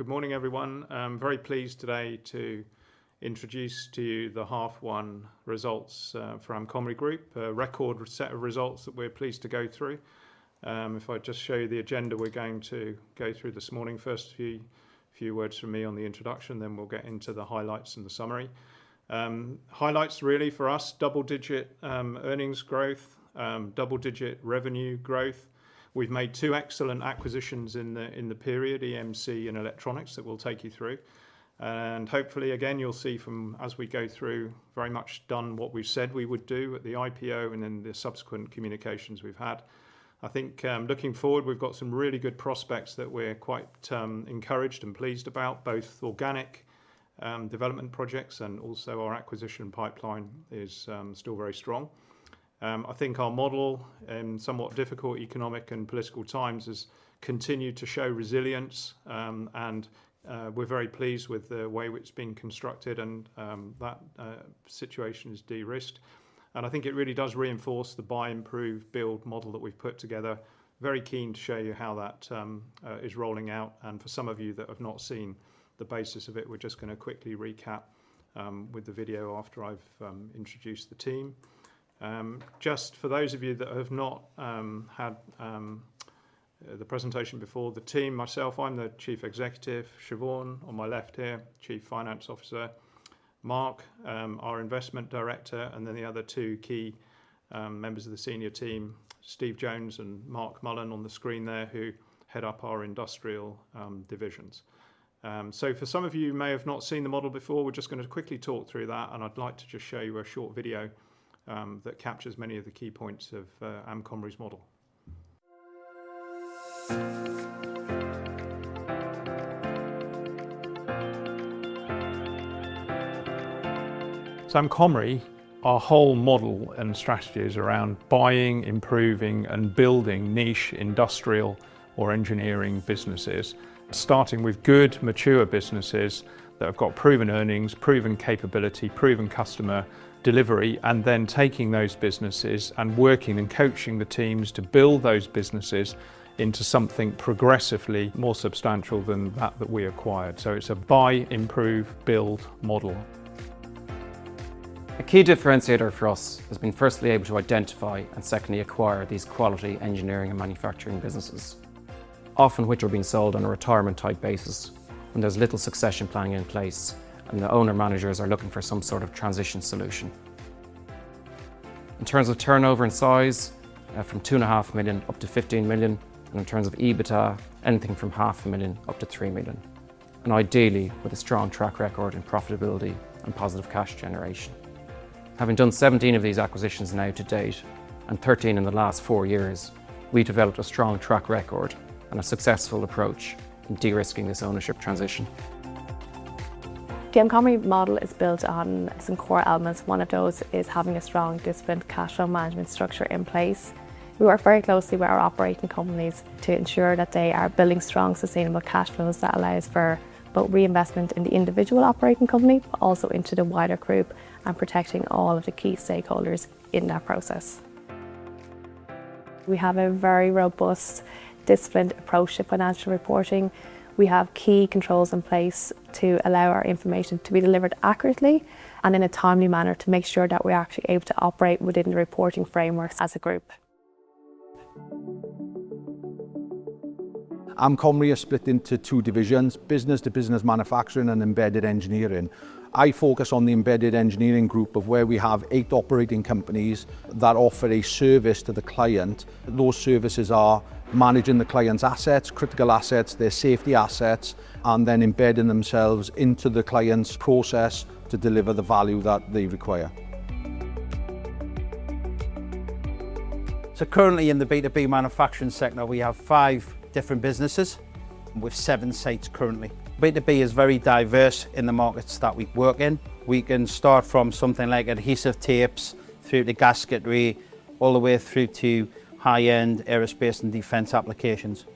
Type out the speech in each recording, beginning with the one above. Good morning, everyone. I'm very pleased today to introduce to you the H1 results for Amcomri Group. A record set of results that we're pleased to go through. If I just show you the agenda we're going to go through this morning. First, a few words from me on the introduction. We'll get into the highlights and the summary. Highlights, double-digit earnings growth, double-digit revenue growth. We've made two excellent acquisitions in the period, EMC and Electronix, that we'll take you through. Hopefully, again, you'll see from as we go through, very much done what we've said we would do at the IPO and in the subsequent communications we've had. Looking forward, we've got some really good prospects that we're quite encouraged and pleased about, both organic development projects and also our acquisition pipeline is still very strong. Our model, in somewhat difficult economic and political times, has continued to show resilience. We're very pleased with the way it's been constructed and that situation is de-risked. It really does reinforce the Buy, Improve, Build model that we've put together. Very keen to show you how that is rolling out. For some of you that have not seen the basis of it, we're just going to quickly recap with the video after I've introduced the team. For those of you that have not had the presentation before, the team, myself, I'm the Chief Executive. Siobhán, on my left here, Chief Finance Officer. Mark, our Investment Director, and then the other two key members of the senior team, Steve Jones and Mark Mullen on the screen there, who head up our industrial divisions. For some of you who may have not seen the model before, we're just going to quickly talk through that, and I'd like to just show you a short video that captures many of the key points of Amcomri's model. Amcomri, our whole model and strategy is around buying, improving, and building niche industrial or engineering businesses, starting with good, mature businesses that have got proven earnings, proven capability, proven customer delivery, and then taking those businesses and working and coaching the teams to build those businesses into something progressively more substantial than that which we acquired. It's a Buy, Improve, Build model. A key differentiator for us has been firstly able to identify and secondly acquire these quality engineering and manufacturing businesses, often which are being sold on a retirement type basis when there's little succession planning in place and the owner managers are looking for some sort of transition solution. In terms of turnover and size, from 2.5 million up to 15 million, and in terms of EBITDA, anything from 0.5 million up to 3 million, and ideally with a strong track record in profitability and positive cash generation. Having done 17 of these acquisitions now to date, and 13 in the last four years, we developed a strong track record and a successful approach in de-risking this ownership transition. The Amcomri model is built on some core elements. One of those is having a strong, disciplined cash flow management structure in place. We work very closely with our operating companies to ensure that they are building strong, sustainable cash flows that allows for both reinvestment in the individual operating company, but also into the wider group and protecting all of the key stakeholders in that process. We have a very robust, disciplined approach to financial reporting. We have key controls in place to allow our information to be delivered accurately and in a timely manner to make sure that we're actually able to operate within the reporting frameworks as a group. Amcomri is split into two divisions, business-to-business manufacturing and embedded engineering. I focus on the embedded engineering group of where we have eight operating companies that offer a service to the client. Those services are managing the client's assets, critical assets, their safety assets, and then embedding themselves into the client's process to deliver the value that they require. Currently in the B2B manufacturing sector, we have five different businesses with seven sites currently. B2B is very diverse in the markets that we work in. We can start from something like adhesive tapes through to gasketry, all the way through to high-end aerospace and defense applications.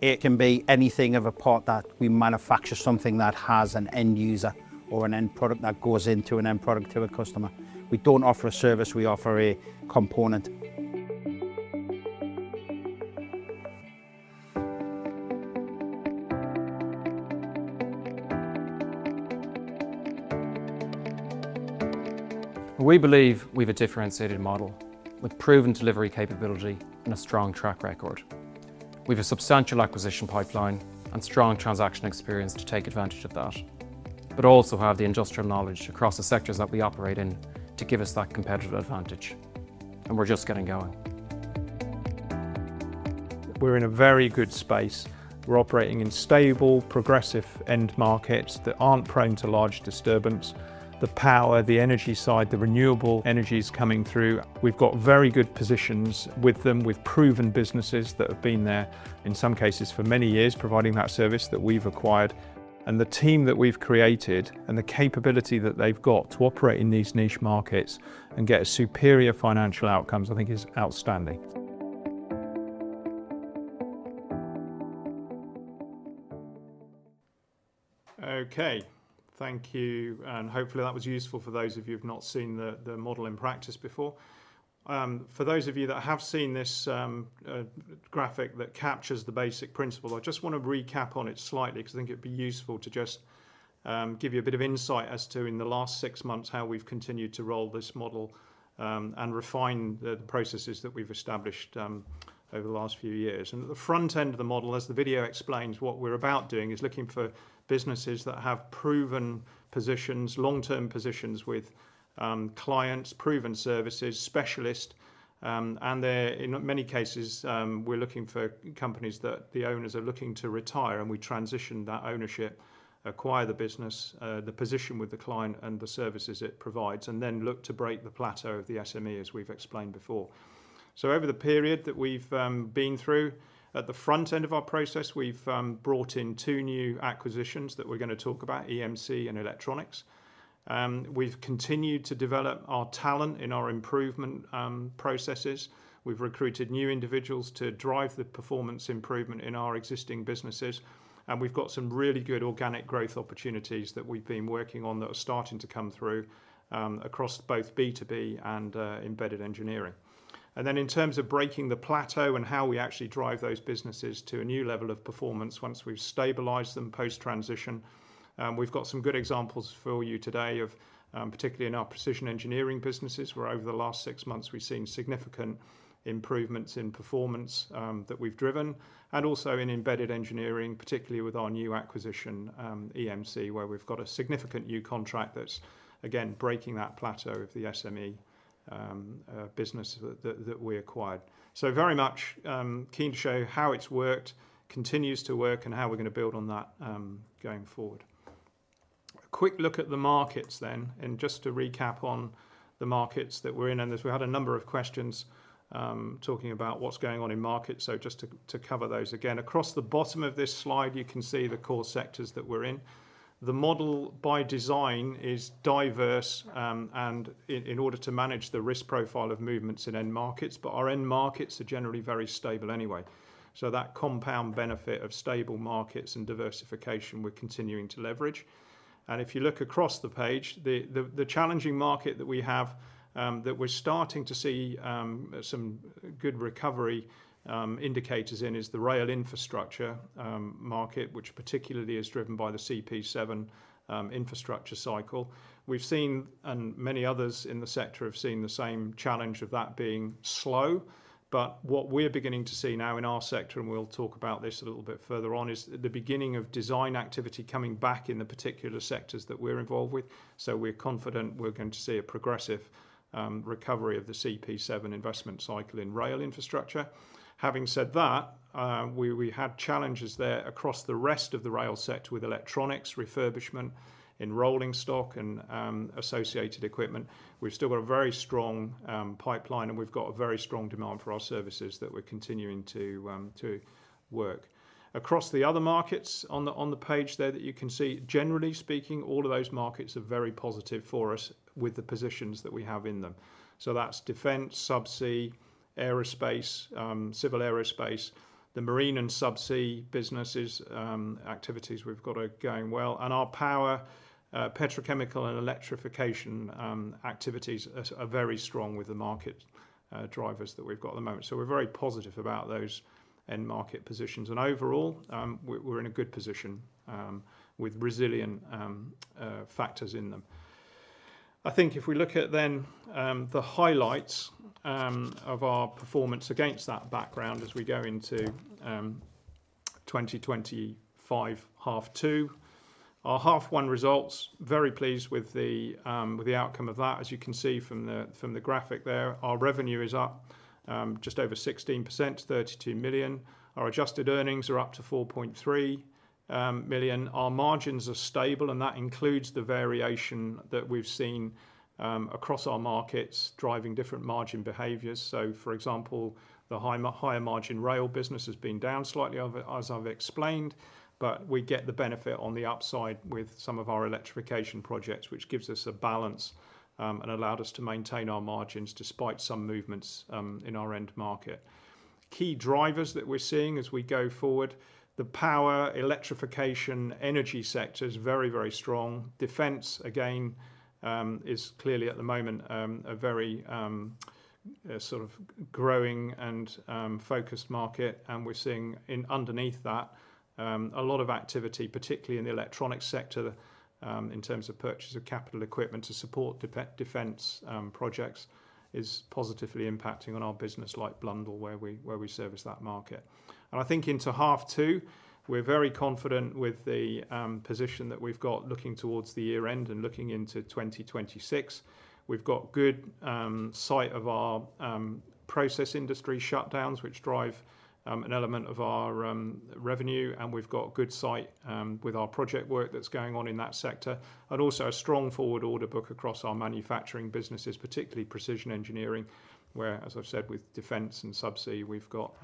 It can be anything of a part that we manufacture something that has an end user or an end product that goes into an end product to a customer. We don't offer a service, we offer a component. We believe we've a differentiated model with proven delivery capability and a strong track record. We've a substantial acquisition pipeline and strong transaction experience to take advantage of that, but also have the industrial knowledge across the sectors that we operate in to give us that competitive advantage, and we're just getting going. We're in a very good space. We're operating in stable, progressive end markets that aren't prone to large disturbance. The power, the energy side, the renewable energies coming through. We've got very good positions with them, with proven businesses that have been there in some cases for many years, providing that service that we've acquired. The team that we've created and the capability that they've got to operate in these niche markets and get superior financial outcomes, I think is outstanding. Thank you, hopefully that was useful for those of you who've not seen the model in practice before. For those of you that have seen this graphic that captures the basic principle, I just want to recap on it slightly because I think it'd be useful to just give you a bit of insight as to, in the last six months, how we've continued to roll this model and refine the processes that we've established over the last few years. At the front end of the model, as the video explains, what we're about doing is looking for businesses that have proven positions, long-term positions with clients, proven services, specialist, and in many cases, we're looking for companies that the owners are looking to retire, and we transition that ownership, acquire the business, the position with the client and the services it provides, and then look to break the plateau of the SME, as we've explained before. Over the period that we've been through, at the front end of our process, we've brought in two new acquisitions that we're going to talk about, EMC and Electronix. We've continued to develop our talent in our improvement processes. We've recruited new individuals to drive the performance improvement in our existing businesses, and we've got some really good organic growth opportunities that we've been working on that are starting to come through, across both B2B and embedded engineering. In terms of breaking the plateau and how we actually drive those businesses to a new level of performance once we've stabilized them post-transition, we've got some good examples for you today of, particularly in our precision engineering businesses, where over the last six months, we've seen significant improvements in performance that we've driven. Also in embedded engineering, particularly with our new acquisition, EMC, where we've got a significant new contract that's, again, breaking that plateau of the SME business that we acquired. Very much keen to show how it's worked, continues to work, and how we're going to build on that going forward. A quick look at the markets then, just to recap on the markets that we're in, and as we had a number of questions talking about what's going on in markets, just to cover those again. Across the bottom of this slide, you can see the core sectors that we're in. The model by design is diverse and in order to manage the risk profile of movements in end markets. Our end markets are generally very stable anyway. That compound benefit of stable markets and diversification, we're continuing to leverage. If you look across the page, the challenging market that we have, that we're starting to see some good recovery indicators in, is the rail infrastructure market, which particularly is driven by the CP7 infrastructure cycle. We've seen, and many others in the sector have seen, the same challenge of that being slow. What we're beginning to see now in our sector, and we'll talk about this a little bit further on, is the beginning of design activity coming back in the particular sectors that we're involved with. We're confident we're going to see a progressive recovery of the CP7 investment cycle in rail infrastructure. Having said that, we had challenges there across the rest of the rail sector with electronics refurbishment, in rolling stock, and associated equipment. We've still got a very strong pipeline, and we've got a very strong demand for our services that we're continuing to work. Across the other markets on the page there that you can see, generally speaking, all of those markets are very positive for us with the positions that we have in them. That's defense, subsea, aerospace, civil aerospace. The marine and subsea businesses activities we've got are going well, and our power, petrochemical, and electrification activities are very strong with the market drivers that we've got at the moment. We're very positive about those end market positions. Overall, we're in a good position with resilient factors in them. I think if we look at then the highlights of our performance against that background as we go into 2025 H2. Our H1 results, very pleased with the outcome of that. As you can see from the graphic there, our revenue is up just over 16% to 32 million. Our adjusted earnings are up to 4.3 million. Our margins are stable, and that includes the variation that we've seen across our markets driving different margin behaviors. For example, the higher margin rail business has been down slightly as I've explained, but we get the benefit on the upside with some of our electrification projects, which gives us a balance, and allowed us to maintain our margins despite some movements in our end market. Key drivers that we're seeing as we go forward, the power, electrification, energy sectors, very, very strong. Defense, again, is clearly at the moment, a very sort of growing and focused market. We're seeing underneath that, a lot of activity, particularly in the electronic sector, in terms of purchase of capital equipment to support defense projects, is positively impacting on our business like Blundell, where we service that market. I think into H2, we're very confident with the position that we've got looking towards the year end and looking into 2026. We've got good sight of our process industry shutdowns, which drive an element of our revenue, and we've got good sight with our project work that's going on in that sector. Also a strong forward order book across our manufacturing businesses, particularly precision engineering, where, as I've said, with defense and subsea, we've got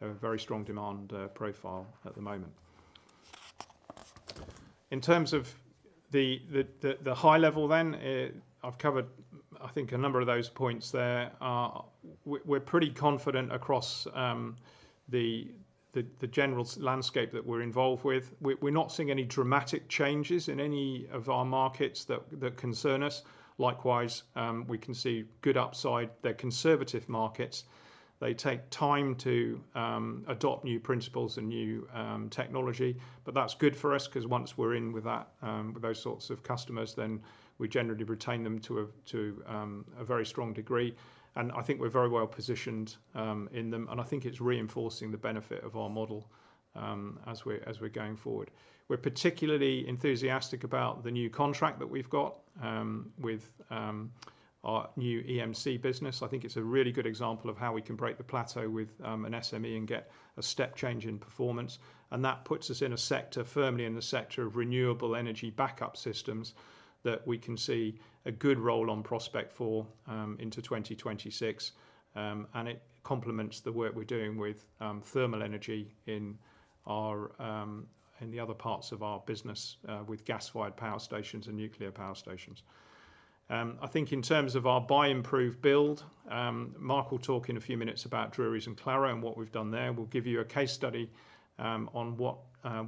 a very strong demand profile at the moment. The high level then, I've covered, I think, a number of those points there. We're pretty confident across the general landscape that we're involved with. We're not seeing any dramatic changes in any of our markets that concern us. Likewise, we can see good upside. They're conservative markets. They take time to adopt new principles and new technology. That's good for us because once we're in with those sorts of customers, then we generally retain them to a very strong degree, and I think we're very well positioned in them. I think it's reinforcing the benefit of our model as we're going forward. We're particularly enthusiastic about the new contract that we've got with our new EMC business. I think it's a really good example of how we can break the plateau with an SME and get a step change in performance, and that puts us firmly in the sector of renewable energy backup systems that we can see a good roll-on prospect for into 2026. It complements the work we're doing with thermal energy in the other parts of our business with gas-fired power stations and nuclear power stations. I think in terms of our Buy, Improve, Build, Mark will talk in a few minutes about Drurys and Claro and what we've done there. We'll give you a case study on what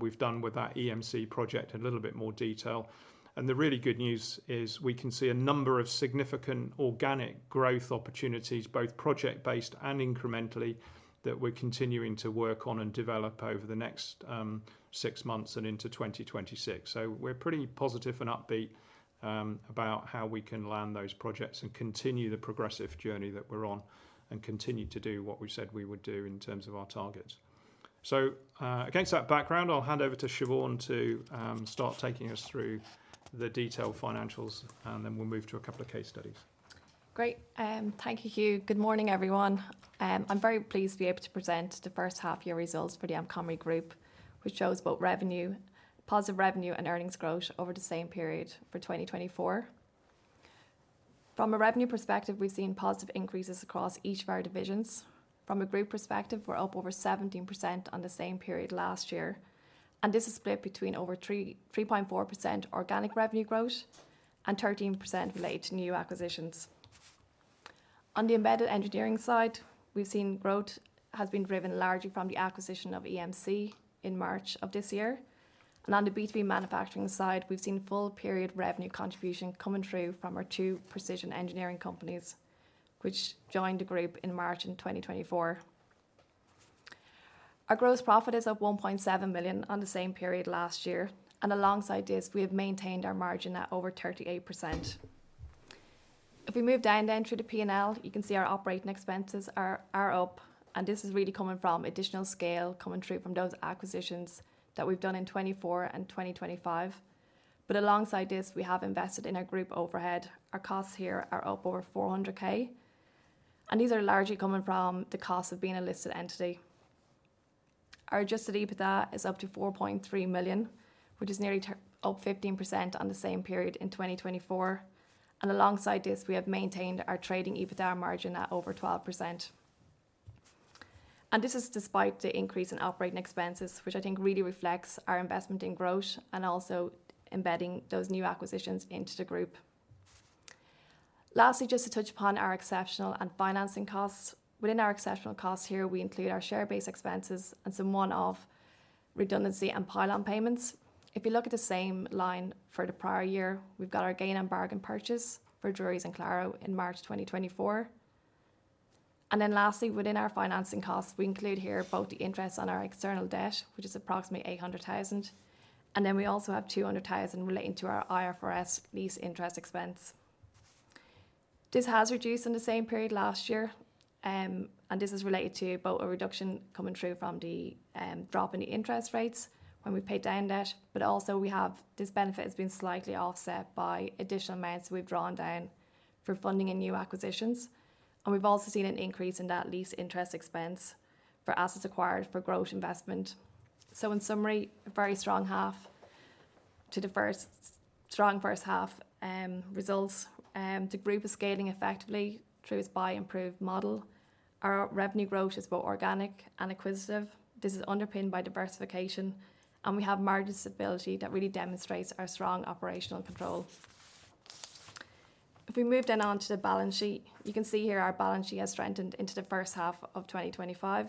we've done with that EMC project in a little bit more detail. The really good news is we can see a number of significant organic growth opportunities, both project-based and incrementally, that we're continuing to work on and develop over the next six months and into 2026. We're pretty positive and upbeat about how we can land those projects and continue the progressive journey that we're on and continue to do what we've said we would do in terms of our targets. Against that background, I'll hand over to Siobhán to start taking us through the detailed financials, and then we'll move to a couple of case studies. Great. Thank you, Hugh. Good morning, everyone. I'm very pleased to be able to present the H1-year results for the Amcomri Group, which shows both positive revenue and earnings growth over the same period for 2024. From a revenue perspective, we've seen positive increases across each of our divisions. From a group perspective, we're up over 17% on the same period last year, and this is split between over 3.4% organic revenue growth and 13% related to new acquisitions. On the embedded engineering side, we've seen growth has been driven largely from the acquisition of EMC in March of this year. On the B2B manufacturing side, we've seen full-period revenue contribution coming through from our two precision engineering companies, which joined the group in March in 2024. Our gross profit is up 1.7 million on the same period last year. Alongside this, we have maintained our margin at over 38%. If we move down then through the P&L, you can see our operating expenses are up, and this is really coming from additional scale coming through from those acquisitions that we've done in 2024 and 2025. Alongside this, we have invested in our group overhead. Our costs here are up over 400K, and these are largely coming from the cost of being a listed entity. Our Adjusted EBITDA is up to 4.3 million, which is nearly up 15% on the same period in 2024. Alongside this, we have maintained our trading EBITDA margin at over 12%. This is despite the increase in operating expenses, which I think really reflects our investment in growth and also embedding those new acquisitions into the group. Lastly, just to touch upon our exceptional and financing costs. Within our exceptional costs here, we include our share-based expenses and some one-off redundancy and PILON payments. If you look at the same line for the prior year, we've got our gain on bargain purchase for Drurys and Claro in March 2024. Lastly, within our financing costs, we include here both the interest on our external debt, which is approximately 800,000, and then we also have 200,000 relating to our IFRS lease interest expense. This has reduced in the same period last year, and this is related to both a reduction coming through from the drop in the interest rates when we paid down debt, but also this benefit has been slightly offset by additional amounts we've drawn down for funding in new acquisitions. We've also seen an increase in that lease interest expense for assets acquired for growth investment. In summary, a very strong H1 results. The group is scaling effectively through its Buy, Improve model. Our revenue growth is both organic and acquisitive. This is underpinned by diversification, and we have margin stability that really demonstrates our strong operational control. If we move then on to the balance sheet, you can see here our balance sheet has strengthened into the H1 of 2025.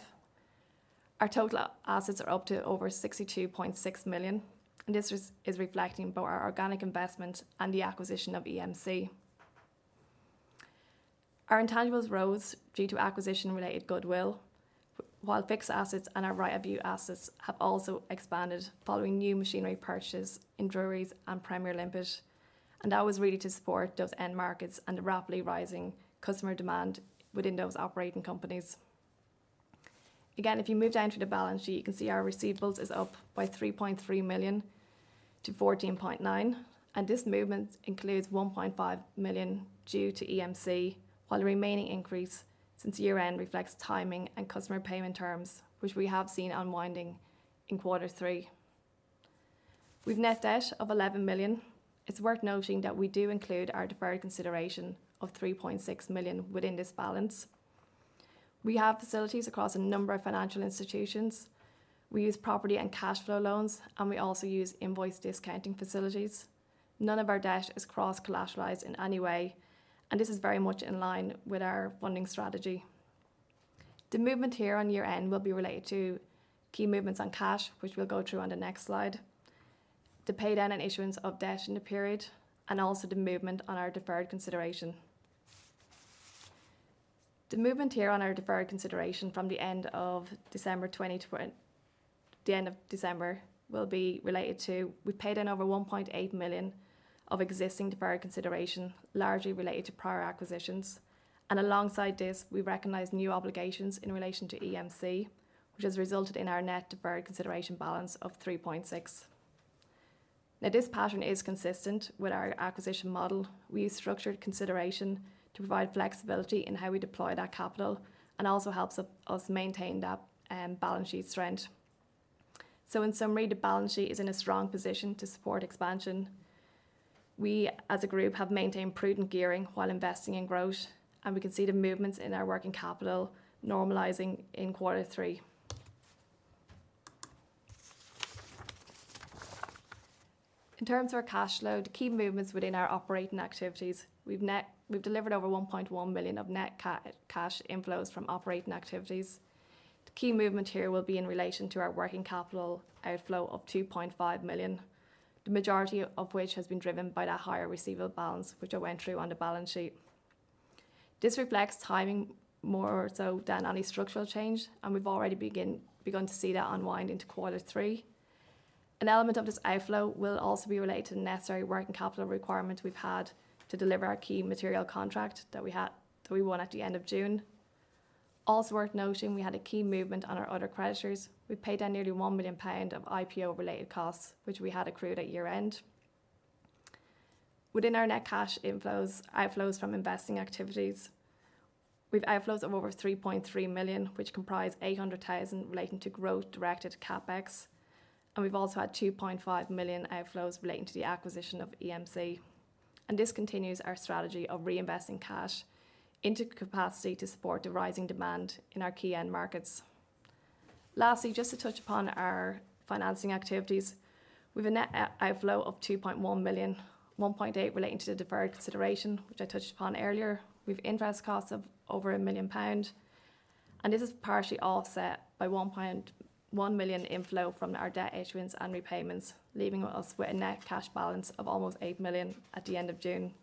Our total assets are up to over 62.6 million, and this is reflecting both our organic investment and the acquisition of EMC. Our intangibles rose due to acquisition-related goodwill, while fixed assets and our right-of-use assets have also expanded following new machinery purchases in Drurys and Premier Limpet. That was really to support those end markets and the rapidly rising customer demand within those operating companies. Again, if you move down through the balance sheet, you can see our receivables is up by 3.3 million to 14.9 million, and this movement includes 1.5 million due to EMC, while the remaining increase since year-end reflects timing and customer payment terms, which we have seen unwinding in quarter three. With net debt of 11 million, it's worth noting that we do include our deferred consideration of 3.6 million within this balance. We have facilities across a number of financial institutions. We use property and cash flow loans, and we also use invoice discounting facilities. None of our debt is cross-collateralized in any way, and this is very much in line with our funding strategy. The movement here on year-end will be related to key movements on cash, which we'll go through on the next slide. The paydown and issuance of debt in the period, and also the movement on our deferred consideration. The movement here on our deferred consideration from the end of December will be related to, we paid in over 1.8 million of existing deferred consideration, largely related to prior acquisitions. Alongside this, we recognized new obligations in relation to EMC, which has resulted in our net deferred consideration balance of 3.6 million. This pattern is consistent with our acquisition model. We use structured consideration to provide flexibility in how we deploy that capital and also helps us maintain that balance sheet strength. In summary, the balance sheet is in a strong position to support expansion. We, as a group, have maintained prudent gearing while investing in growth, and we can see the movements in our working capital normalizing in Q3. In terms of our cash flow, the key movements within our operating activities, we've delivered over 1.1 million of net cash inflows from operating activities. The key movement here will be in relation to our working capital outflow of 2.5 million, the majority of which has been driven by that higher receivable balance, which I went through on the balance sheet. This reflects timing more so than any structural change, and we've already begun to see that unwind into Q3. An element of this outflow will also be related to the necessary working capital requirement we've had to deliver our key material contract that we won at the end of June. Also worth noting, we had a key movement on our other creditors. We paid down nearly 1 million pound of IPO-related costs, which we had accrued at year-end. Within our net cash outflows from investing activities, we've outflows of over 3.3 million, which comprise 800,000 relating to growth directed to CapEx. We've also had 2.5 million outflows relating to the acquisition of EMC. This continues our strategy of reinvesting cash into capacity to support the rising demand in our key end markets. Lastly, just to touch upon our financing activities. We've a net outflow of 2.1 million, 1.8 million relating to the deferred consideration, which I touched upon earlier. We've interest costs of over 1 million pound. This is partially offset by 1.1 million inflow from our debt issuance and repayments, leaving us with a net cash balance of almost 8 million at the end of June.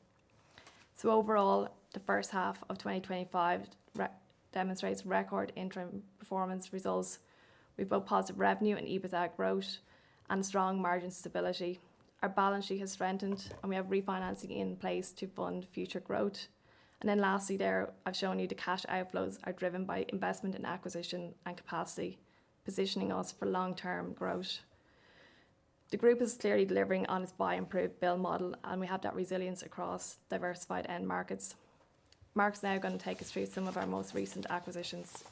Overall, the H1 of 2025 demonstrates record interim performance results with both positive revenue and EBITDA growth and strong margin stability. Our balance sheet has strengthened, and we have refinancing in place to fund future growth. Lastly there, I've shown you the cash outflows are driven by investment in acquisition and capacity, positioning us for long-term growth. The group is clearly delivering on its Buy, Improve, Build model, and we have that resilience across diversified end markets. Mark is now going to take us through some of our most recent acquisitions.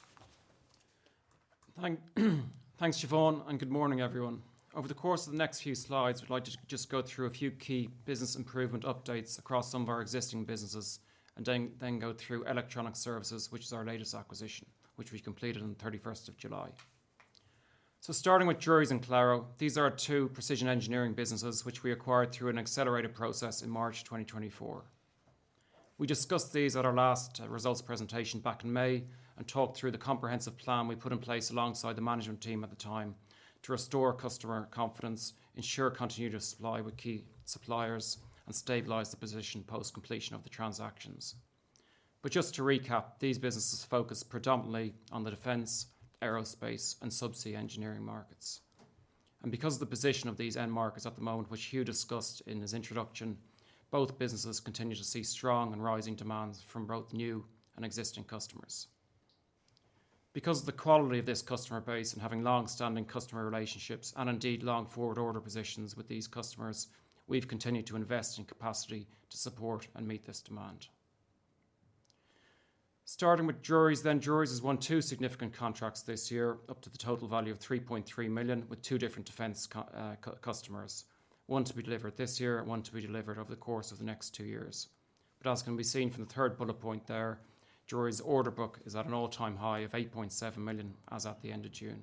Thanks, Siobhán, good morning, everyone. Over the course of the next few slides, we'd like to just go through a few key business improvement updates across some of our existing businesses and then go through Electronix Services, which is our latest acquisition, which we completed on the 31st July. Starting with Drurys and Claro, these are our two precision engineering businesses, which we acquired through an accelerated process in March 2024. We discussed these at our last results presentation back in May and talked through the comprehensive plan we put in place alongside the management team at the time to restore customer confidence, ensure continued supply with key suppliers, and stabilize the position post-completion of the transactions. Just to recap, these businesses focus predominantly on the defense, aerospace, and subsea engineering markets. Because of the position of these end markets at the moment, which Hugh discussed in his introduction, both businesses continue to see strong and rising demands from both new and existing customers. Because of the quality of this customer base and having long-standing customer relationships and indeed long forward order positions with these customers, we've continued to invest in capacity to support and meet this demand. Starting with Drurys. Drurys has won two significant contracts this year, up to the total value of 3.3 million, with two different defense customers. One to be delivered this year and one to be delivered over the course of the next two years. As can be seen from the third bullet point there, Drurys order book is at an all-time high of 8.7 million as at the end of June.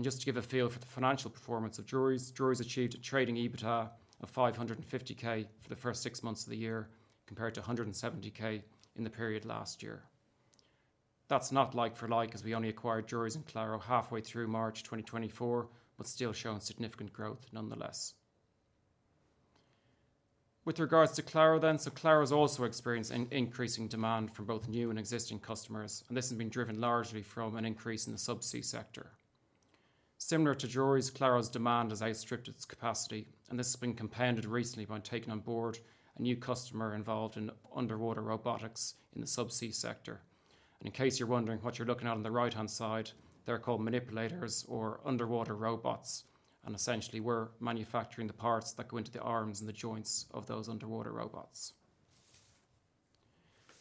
Just to give a feel for the financial performance of Drurys. Drurys achieved a trading EBITDA of 550,000 for the first six months of the year, compared to 170,000 in the period last year. That's not like for like, as we only acquired Drurys and Claro halfway through March 2024, still showing significant growth nonetheless. With regards to Claro. Claro has also experienced an increasing demand from both new and existing customers, and this has been driven largely from an increase in the subsea sector. Similar to Drurys, Claro's demand has outstripped its capacity, and this has been compounded recently by taking on board a new customer involved in underwater robotics in the subsea sector. In case you're wondering what you're looking at on the right-hand side, they're called manipulators or underwater robots, and essentially, we're manufacturing the parts that go into the arms and the joints of those underwater robots.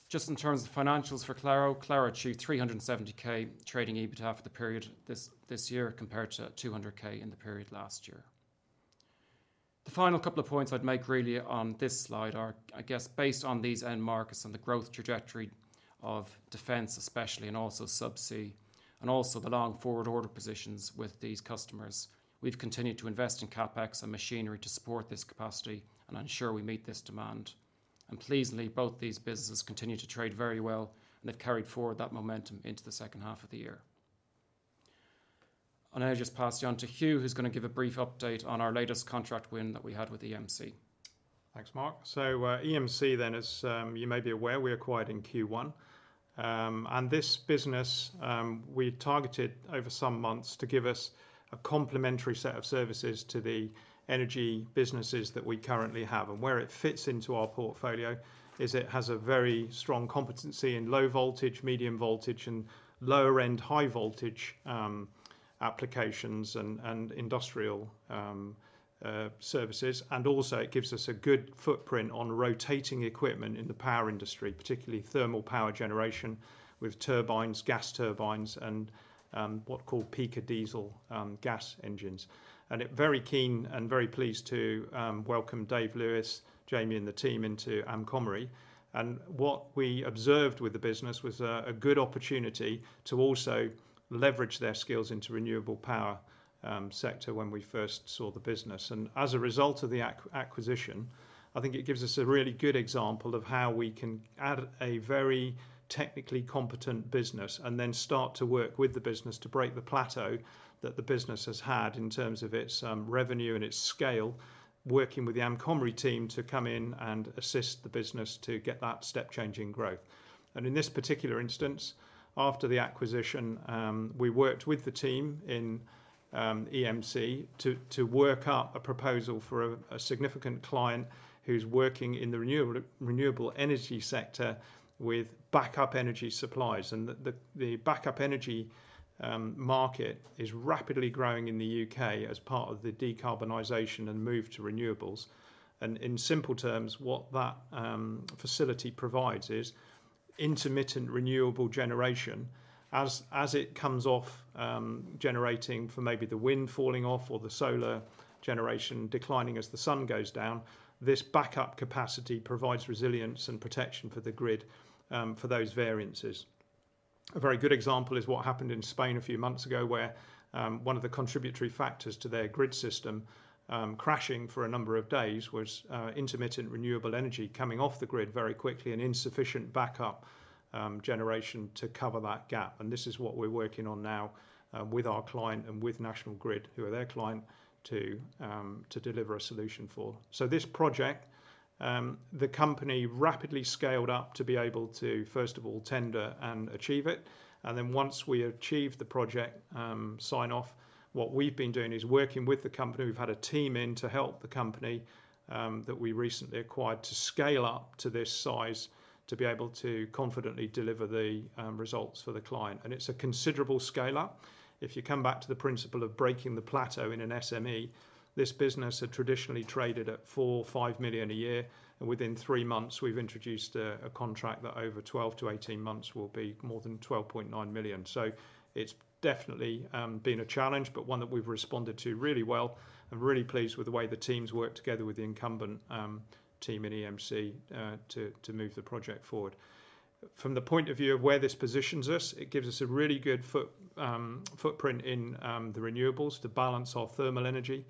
Just in terms of financials for Claro. Claro achieved 370,000 trading EBITDA for the period this year, compared to 200,000 in the period last year. The final couple of points I'd make really on this slide are, I guess, based on these end markets and the growth trajectory of defense especially, also subsea, and also the long forward order positions with these customers. We've continued to invest in CapEx and machinery to support this capacity and ensure we meet this demand. Pleasingly, both these businesses continue to trade very well, and they've carried forward that momentum into the H2 of the year. I'll just pass you on to Hugh, who's going to give a brief update on our latest contract win that we had with EMC. Thanks, Mark. EMC then, as you may be aware, we acquired in Q1. This business we targeted over some months to give us a complementary set of services to the energy businesses that we currently have. Where it fits into our portfolio is it has a very strong competency in low voltage, medium voltage, and lower-end high voltage applications and industrial services. Also, it gives us a good footprint on rotating equipment in the power industry, particularly thermal power generation with turbines, gas turbines, and what called peaker diesel gas engines. Very keen and very pleased to welcome David Lewis, Jamie, and the team into Amcomri. What we observed with the business was a good opportunity to also leverage their skills into renewable power sector when we first saw the business. As a result of the acquisition, I think it gives us a really good example of how we can add a very technically competent business and then start to work with the business to break the plateau that the business has had in terms of its revenue and its scale, working with the Amcomri team to come in and assist the business to get that step change in growth. In this particular instance, after the acquisition, we worked with the team in EMC to work up a proposal for a significant client who's working in the renewable energy sector with backup energy supplies. The backup energy market is rapidly growing in the U.K. as part of the decarbonization and move to renewables. In simple terms, what that facility provides is intermittent renewable generation as it comes off generating from maybe the wind falling off or the solar generation declining as the sun goes down. This backup capacity provides resilience and protection for the grid, for those variances. A very good example is what happened in Spain a few months ago, where one of the contributory factors to their grid system crashing for a number of days was intermittent renewable energy coming off the grid very quickly and insufficient backup generation to cover that gap. This is what we're working on now with our client and with National Grid, who are their client, to deliver a solution for. This project, the company rapidly scaled up to be able to, first of all, tender and achieve it. Once we achieve the project sign-off, what we've been doing is working with the company. We've had a team in to help the company that we recently acquired to scale up to this size to be able to confidently deliver the results for the client. It's a considerable scale-up. If you come back to the principle of breaking the plateau in an SME, this business had traditionally traded at 4 million or 5 million a year, and within three months, we've introduced a contract that over 12-18 months will be more than 12.9 million. It's definitely been a challenge, but one that we've responded to really well. I'm really pleased with the way the teams worked together with the incumbent team in EMC, to move the project forward. From the point of view of where this positions us, it gives us a really good footprint in the renewables to balance our thermal energy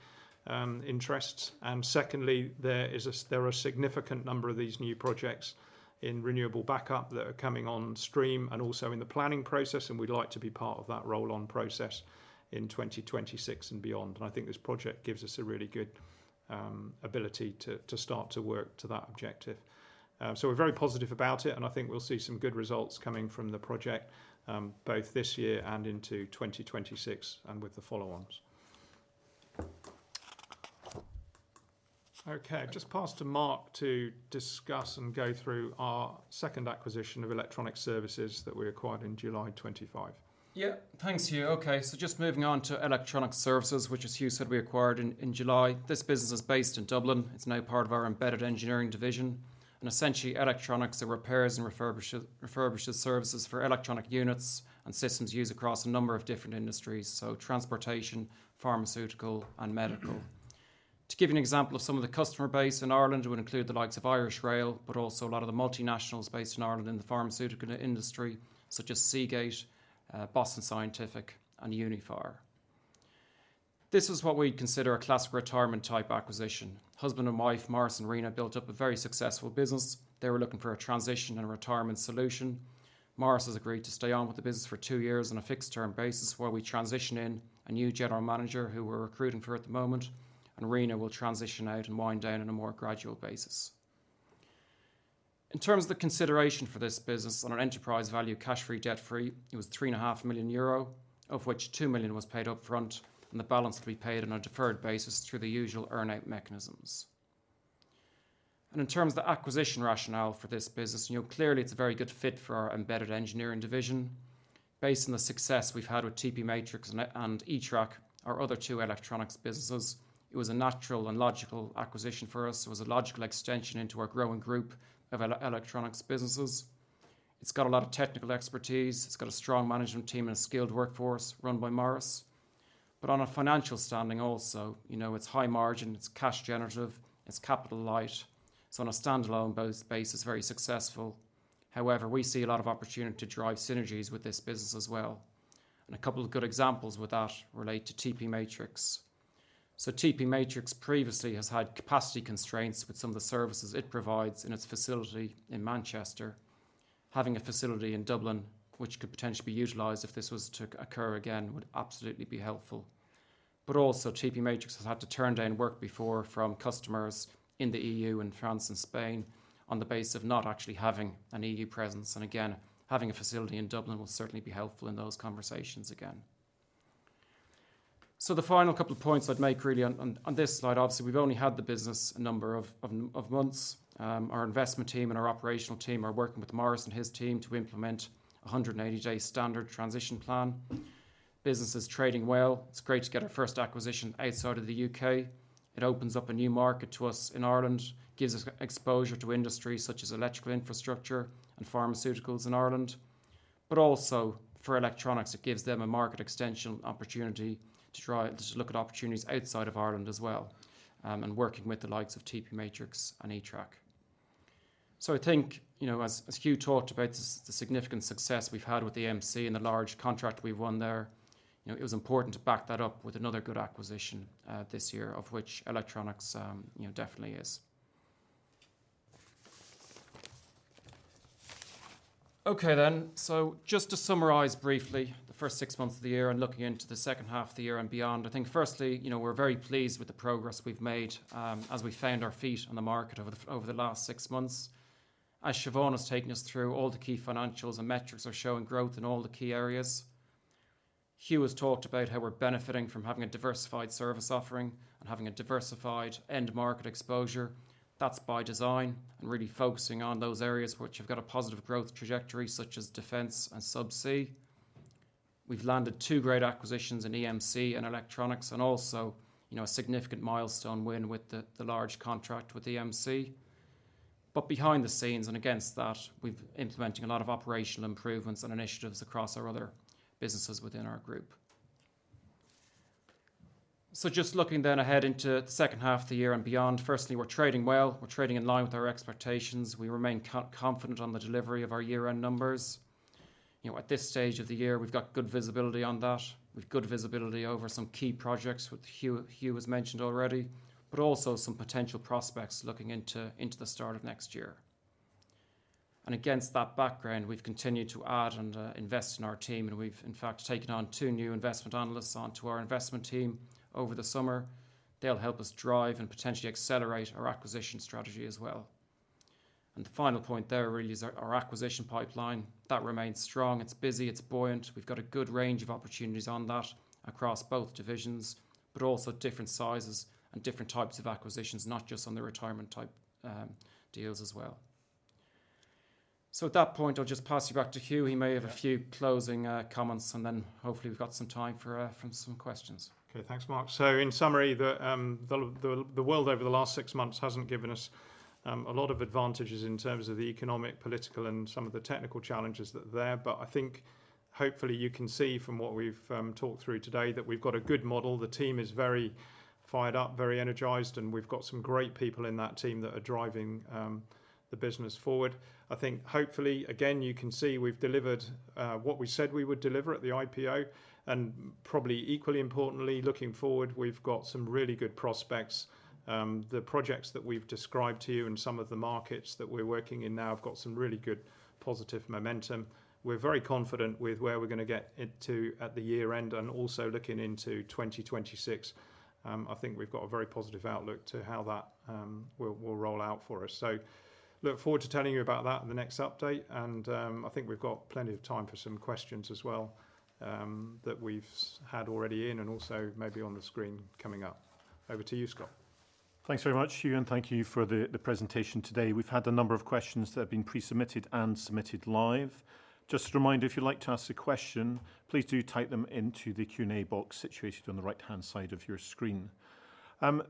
interests. Secondly, there are a significant number of these new projects in renewable backup that are coming on stream and also in the planning process, and we'd like to be part of that roll-on process in 2026 and beyond. I think this project gives us a really good ability to start to work to that objective. We're very positive about it, and I think we'll see some good results coming from the project, both this year and into 2026 and with the follow-ons. Just pass to Mark to discuss and go through our second acquisition of Electronix Services that we acquired in July 2025. Yeah. Thanks, Hugh. Just moving on to Electronix Services, which as Hugh said, we acquired in July. This business is based in Dublin. It's now part of our Embedded Engineering Division. Essentially, electronics are repairs and refurbished services for electronic units and systems used across a number of different industries, so transportation, pharmaceutical, and medical. To give you an example of some of the customer base in Ireland would include the likes of Iarnród Éireann, but also a lot of the multinationals based in Ireland in the pharmaceutical industry, such as Seagate, Boston Scientific, and Uniphar. This is what we'd consider a classic retirement type acquisition. Husband and wife, Maurice and Rina, built up a very successful business. They were looking for a transition and a retirement solution. Maurice has agreed to stay on with the business for two years on a fixed-term basis while we transition in a new general manager who we're recruiting for at the moment, and Rina will transition out and wind down on a more gradual basis. In terms of the consideration for this business on an enterprise value, cash free, debt free, it was 3.5 million euro, of which 2 million was paid upfront, and the balance will be paid on a deferred basis through the usual earn-out mechanisms. In terms of the acquisition rationale for this business, clearly it's a very good fit for our Embedded Engineering Division. Based on the success we've had with TP Matrix and eTrac, our other two electronics businesses, it was a natural and logical acquisition for us. It was a logical extension into our growing group of electronics businesses. It's got a lot of technical expertise. It's got a strong management team and a skilled workforce run by Maurice. On a financial standing also, it's high margin, it's cash generative, it's capital light. On a standalone base, it's very successful. However, we see a lot of opportunity to drive synergies with this business as well. A couple of good examples with that relate to TP Matrix. TP Matrix previously has had capacity constraints with some of the services it provides in its facility in Manchester. Having a facility in Dublin, which could potentially be utilized if this was to occur again, would absolutely be helpful. Also, TP Matrix has had to turn down work before from customers in the EU, in France and Spain, on the base of not actually having an EU presence. Again, having a facility in Dublin will certainly be helpful in those conversations again. The final couple of points I'd make really on this slide, obviously, we've only had the business a number of months. Our investment team and our operational team are working with Maurice and his team to implement a 180-day standard transition plan. Business is trading well. It's great to get our first acquisition outside of the U.K. It opens up a new market to us in Ireland, gives us exposure to industries such as electrical infrastructure and pharmaceuticals in Ireland. Also for Electronix, it gives them a market extension opportunity to look at opportunities outside of Ireland as well, and working with the likes of TP Matrix and eTrac. I think, as Hugh talked about the significant success we've had with EMC and the large contract we've won there, it was important to back that up with another good acquisition, this year, of which Electronix definitely is. Just to summarize briefly, the first six months of the year and looking into the H2 of the year and beyond, I think firstly, we're very pleased with the progress we've made, as we found our feet in the market over the last six months. As Siobhán has taken us through, all the key financials and metrics are showing growth in all the key areas. Hugh has talked about how we're benefiting from having a diversified service offering and having a diversified end market exposure. That's by design and really focusing on those areas which have got a positive growth trajectory, such as defense and subsea. We've landed two great acquisitions in EMC and Electronix, and also a significant milestone win with the large contract with EMC. Behind the scenes and against that, we're implementing a lot of operational improvements and initiatives across our other businesses within our group. Just looking then ahead into the H2 of the year and beyond, firstly, we're trading well. We're trading in line with our expectations. We remain confident on the delivery of our year-end numbers. At this stage of the year, we've got good visibility on that. We've good visibility over some key projects, which Hugh has mentioned already, also some potential prospects looking into the start of next year. Against that background, we've continued to add and invest in our team, and we've in fact taken on two new investment analysts onto our investment team over the summer. They'll help us drive and potentially accelerate our acquisition strategy as well. The final point there really is our acquisition pipeline. That remains strong. It's busy. It's buoyant. We've got a good range of opportunities on that across both divisions, but also different sizes and different types of acquisitions, not just on the retirement type deals as well. At that point, I'll just pass you back to Hugh. He may have a few closing comments, hopefully we've got some time for some questions. Okay. Thanks, Mark. In summary, the world over the last six months hasn't given us a lot of advantages in terms of the economic, political, and some of the technical challenges that are there. I think hopefully you can see from what we've talked through today that we've got a good model. The team is very fired up, very energized, and we've got some great people in that team that are driving the business forward. I think hopefully, again, you can see we've delivered what we said we would deliver at the IPO, and probably equally importantly, looking forward, we've got some really good prospects. The projects that we've described to you and some of the markets that we're working in now have got some really good positive momentum. We're very confident with where we're going to get to at the year-end and also looking into 2026. I think we've got a very positive outlook to how that will roll out for us. Look forward to telling you about that in the next update, and I think we've got plenty of time for some questions as well, that we've had already in and also maybe on the screen coming up. Over to you, Scott. Thanks very much, Hugh, and thank you for the presentation today. We've had a number of questions that have been pre-submitted and submitted live. Just a reminder, if you'd like to ask a question, please do type them into the Q&A box situated on the right-hand side of your screen.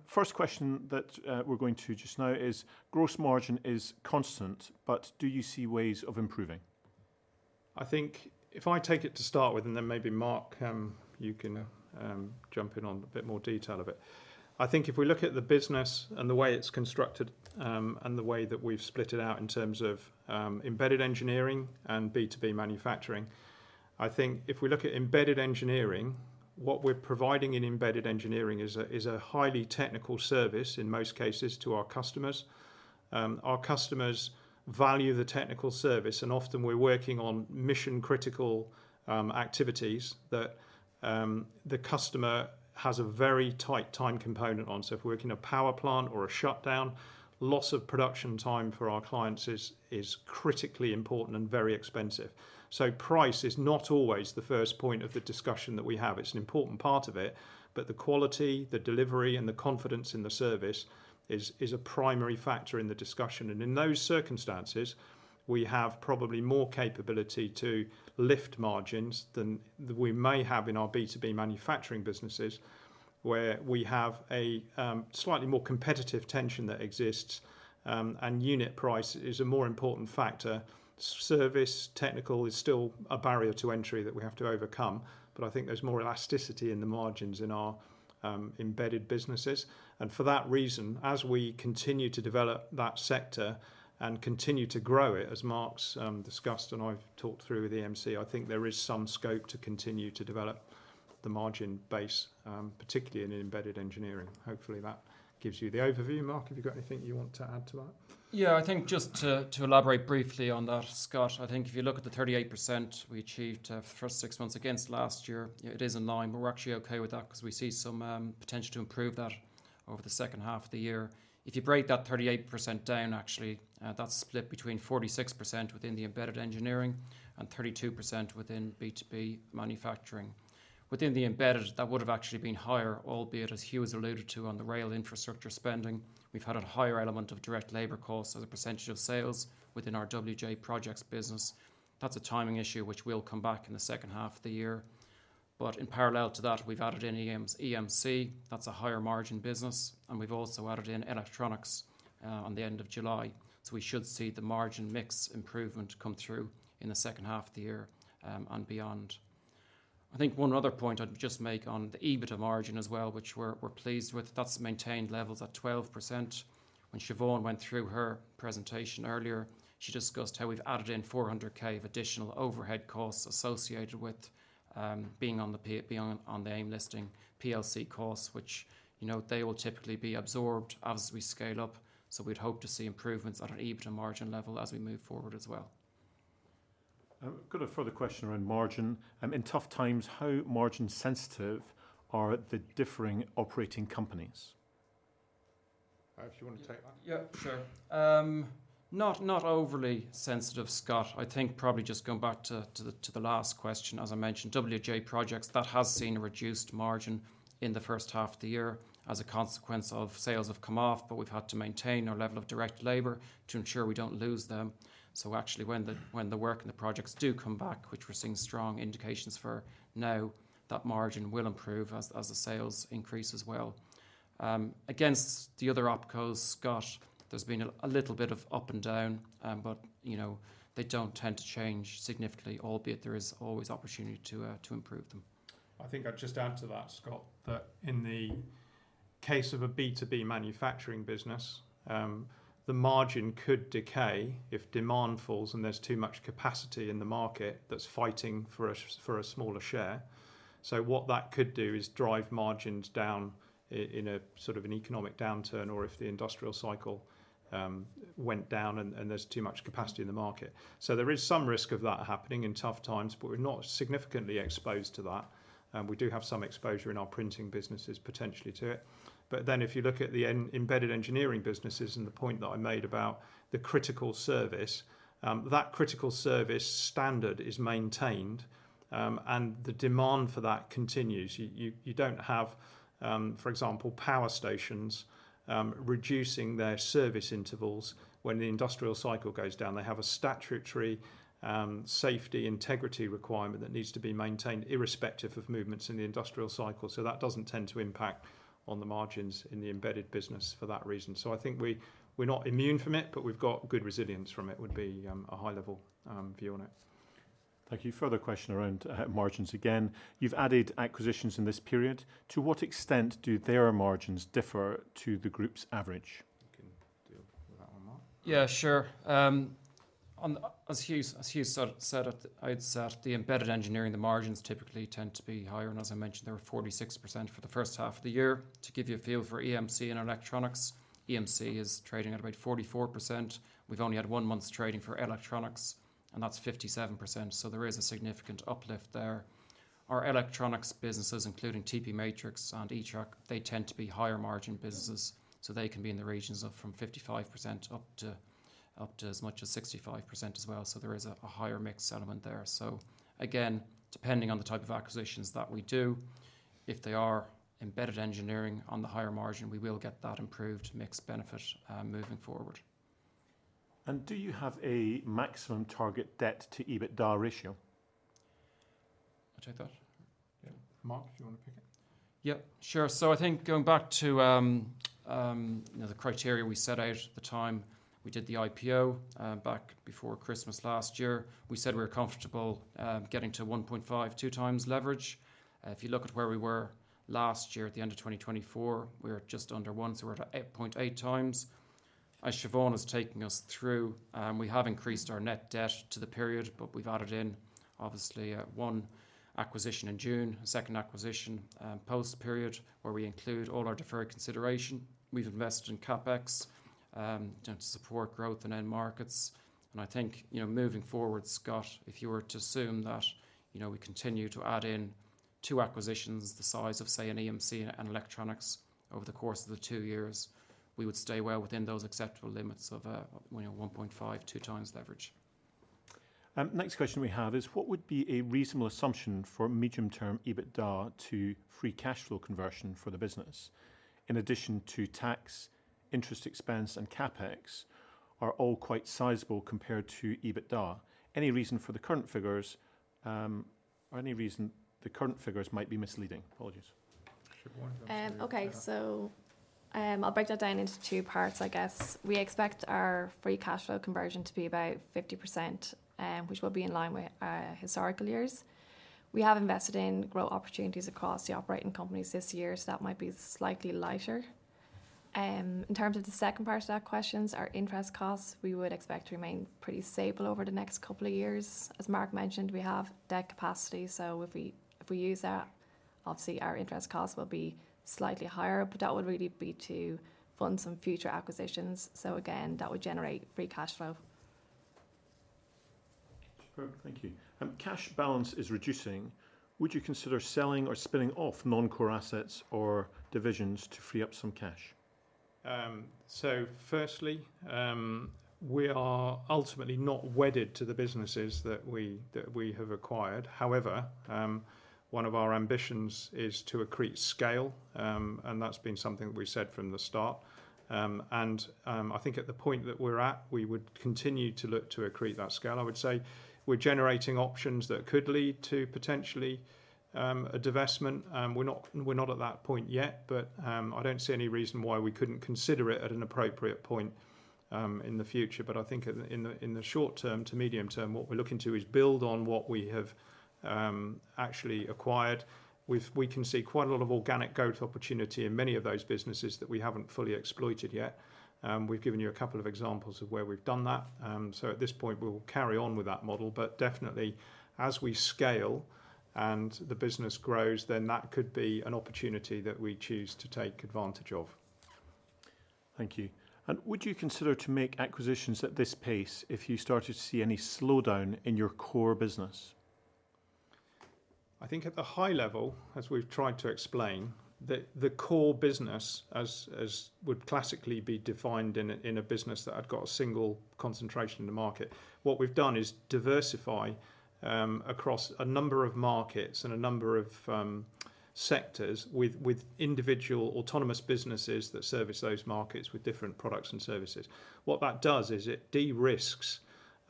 First question that we're going to just now is, gross margin is constant, do you see ways of improving? I think if I take it to start with, then maybe Mark, you can jump in on a bit more detail of it. I think if we look at the business and the way it's constructed, and the way that we've split it out in terms of embedded engineering and B2B manufacturing, I think if we look at embedded engineering, what we're providing in embedded engineering is a highly technical service in most cases to our customers. Our customers value the technical service, and often we're working on mission-critical activities that the customer has a very tight time component on. If we're working a power plant or a shutdown, loss of production time for our clients is critically important and very expensive. Price is not always the first point of the discussion that we have. It's an important part of it, the quality, the delivery, and the confidence in the service is a primary factor in the discussion. In those circumstances, we have probably more capability to lift margins than we may have in our B2B manufacturing businesses, where we have a slightly more competitive tension that exists, and unit price is a more important factor. Service technical is still a barrier to entry that we have to overcome, but I think there's more elasticity in the margins in our embedded businesses. For that reason, as we continue to develop that sector and continue to grow it, as Mark's discussed and I've talked through with EMC, I think there is some scope to continue to develop the margin base, particularly in embedded engineering. Hopefully, that gives you the overview. Mark, have you got anything you want to add to that? Yeah, I think just to elaborate briefly on that, Scott. I think if you look at the 38% we achieved for the first six months against last year, it is annoying, but we're actually okay with that because we see some potential to improve that over the H2 of the year. If you break that 38% down, actually, that's split between 46% within the embedded engineering and 32% within B2B manufacturing. Within the embedded, that would have actually been higher, albeit as Hugh has alluded to on the rail infrastructure spending, we've had a higher element of direct labor costs as a percentage of sales within our WJ Projects business. That's a timing issue, which will come back in the H2 of the year. In parallel to that, we've added in EMC. That's a higher margin business, we've also added in Electronix on the end of July. We should see the margin mix improvement come through in the H2 of the year and beyond. I think one other point I'd just make on the EBITDA margin as well, which we're pleased with, that's maintained levels at 12%. When Siobhán went through her presentation earlier, she discussed how we've added in 400,000 of additional overhead costs associated with being on the AIM listing PLC costs, which they will typically be absorbed as we scale up. We'd hope to see improvements at an EBITDA margin level as we move forward as well. I've got a further question around margin. In tough times, how margin sensitive are the differing operating companies? Mark you want to take that. Yeah, sure. Not overly sensitive, Scott. I think probably just going back to the last question, as I mentioned, WJ Projects, that has seen a reduced margin in the H1 of the year as a consequence of sales have come off, we've had to maintain our level of direct labor to ensure we don't lose them. Actually, when the work and the projects do come back, which we're seeing strong indications for now, that margin will improve as the sales increase as well. Against the other opcos, Scott, there's been a little bit of up and down, they don't tend to change significantly, albeit there is always opportunity to improve them. I think I'd just add to that, Scott, that in the case of a B2B manufacturing business, the margin could decay if demand falls and there's too much capacity in the market that's fighting for a smaller share. What that could do is drive margins down in an economic downturn or if the industrial cycle went down and there's too much capacity in the market. There is some risk of that happening in tough times, we're not significantly exposed to that. We do have some exposure in our printing businesses, potentially to it. If you look at the embedded engineering businesses and the point that I made about the critical service, that critical service standard is maintained, and the demand for that continues. You don't have, for example, power stations reducing their service intervals when the industrial cycle goes down. They have a statutory safety integrity requirement that needs to be maintained irrespective of movements in the industrial cycle. That doesn't tend to impact on the margins in the embedded business for that reason. I think we're not immune from it, but we've got good resilience from it, would be a high-level view on it. Thank you. Further question around margins again. You've added acquisitions in this period. To what extent do their margins differ to the group's average? You can deal with that one, Mark. Yeah, sure. As Hugh said at the outset, the embedded engineering, the margins typically tend to be higher, and as I mentioned, they were 46% for the H1 of the year. To give you a feel for EMC and Electronix, EMC is trading at about 44%. We've only had one month's trading for Electronix, and that's 57%, so there is a significant uplift there. Our Electronix businesses, including TP Matrix and eTrac, they tend to be higher margin businesses, so they can be in the regions of from 55%-65% as well. There is a higher mix element there. Again, depending on the type of acquisitions that we do, if they are embedded engineering on the higher margin, we will get that improved mix benefit moving forward. Do you have a maximum target debt to EBITDA ratio? Mark, do you want to pick it? Yep, sure. I think going back to the criteria we set out at the time we did the IPO, back before Christmas last year, we said we were comfortable getting to 1.5x-2x leverage. If you look at where we were last year at the end of 2024, we were just under 1x, so we're at 8.8x. As Siobhán was taking us through, we have increased our net debt to the period, but we've added in, obviously, one acquisition in June, a second acquisition post period, where we include all our deferred consideration. We've invested in CapEx to support growth in end markets. I think, moving forward, Scott, if you were to assume that we continue to add in two acquisitions the size of, say, an EMC and Electronix over the course of the two years, we would stay well within those acceptable limits of 1.5x-2x leverage. Next question we have is what would be a reasonable assumption for medium-term EBITDA to free cash flow conversion for the business? In addition to tax, interest expense, and CapEx are all quite sizable compared to EBITDA. Any reason for the current figures, or any reason the current figures might be misleading? Apologies. Sure. Why don't you answer that? Okay. I'll break that down into two parts, I guess. We expect our free cash flow conversion to be about 50%, which will be in line with historical years. We have invested in growth opportunities across the operating companies this year, that might be slightly lighter. In terms of the second part of that question, our interest costs, we would expect to remain pretty stable over the next couple of years. As Mark mentioned, we have debt capacity, if we use that, obviously our interest costs will be slightly higher, but that would really be to fund some future acquisitions. Again, that would generate free cash flow. Sure. Thank you. Cash balance is reducing. Would you consider selling or spinning off non-core assets or divisions to free up some cash? Firstly, we are ultimately not wedded to the businesses that we have acquired. However, one of our ambitions is to accrete scale, and that's been something that we said from the start. I think at the point that we're at, we would continue to look to accrete that scale. I would say we're generating options that could lead to potentially a divestment. We're not at that point yet, I don't see any reason why we couldn't consider it at an appropriate point in the future. I think in the short term to medium term, what we're looking to is build on what we have actually acquired. We can see quite a lot of organic growth opportunity in many of those businesses that we haven't fully exploited yet. We've given you a couple of examples of where we've done that. At this point, we will carry on with that model. Definitely, as we scale and the business grows, then that could be an opportunity that we choose to take advantage of. Thank you. Would you consider to make acquisitions at this pace if you started to see any slowdown in your core business? I think at the high level, as we've tried to explain, the core business, as would classically be defined in a business that had got a single concentration in the market, what we've done is diversify across a number of markets and a number of sectors with individual autonomous businesses that service those markets with different products and services. What that does is it de-risks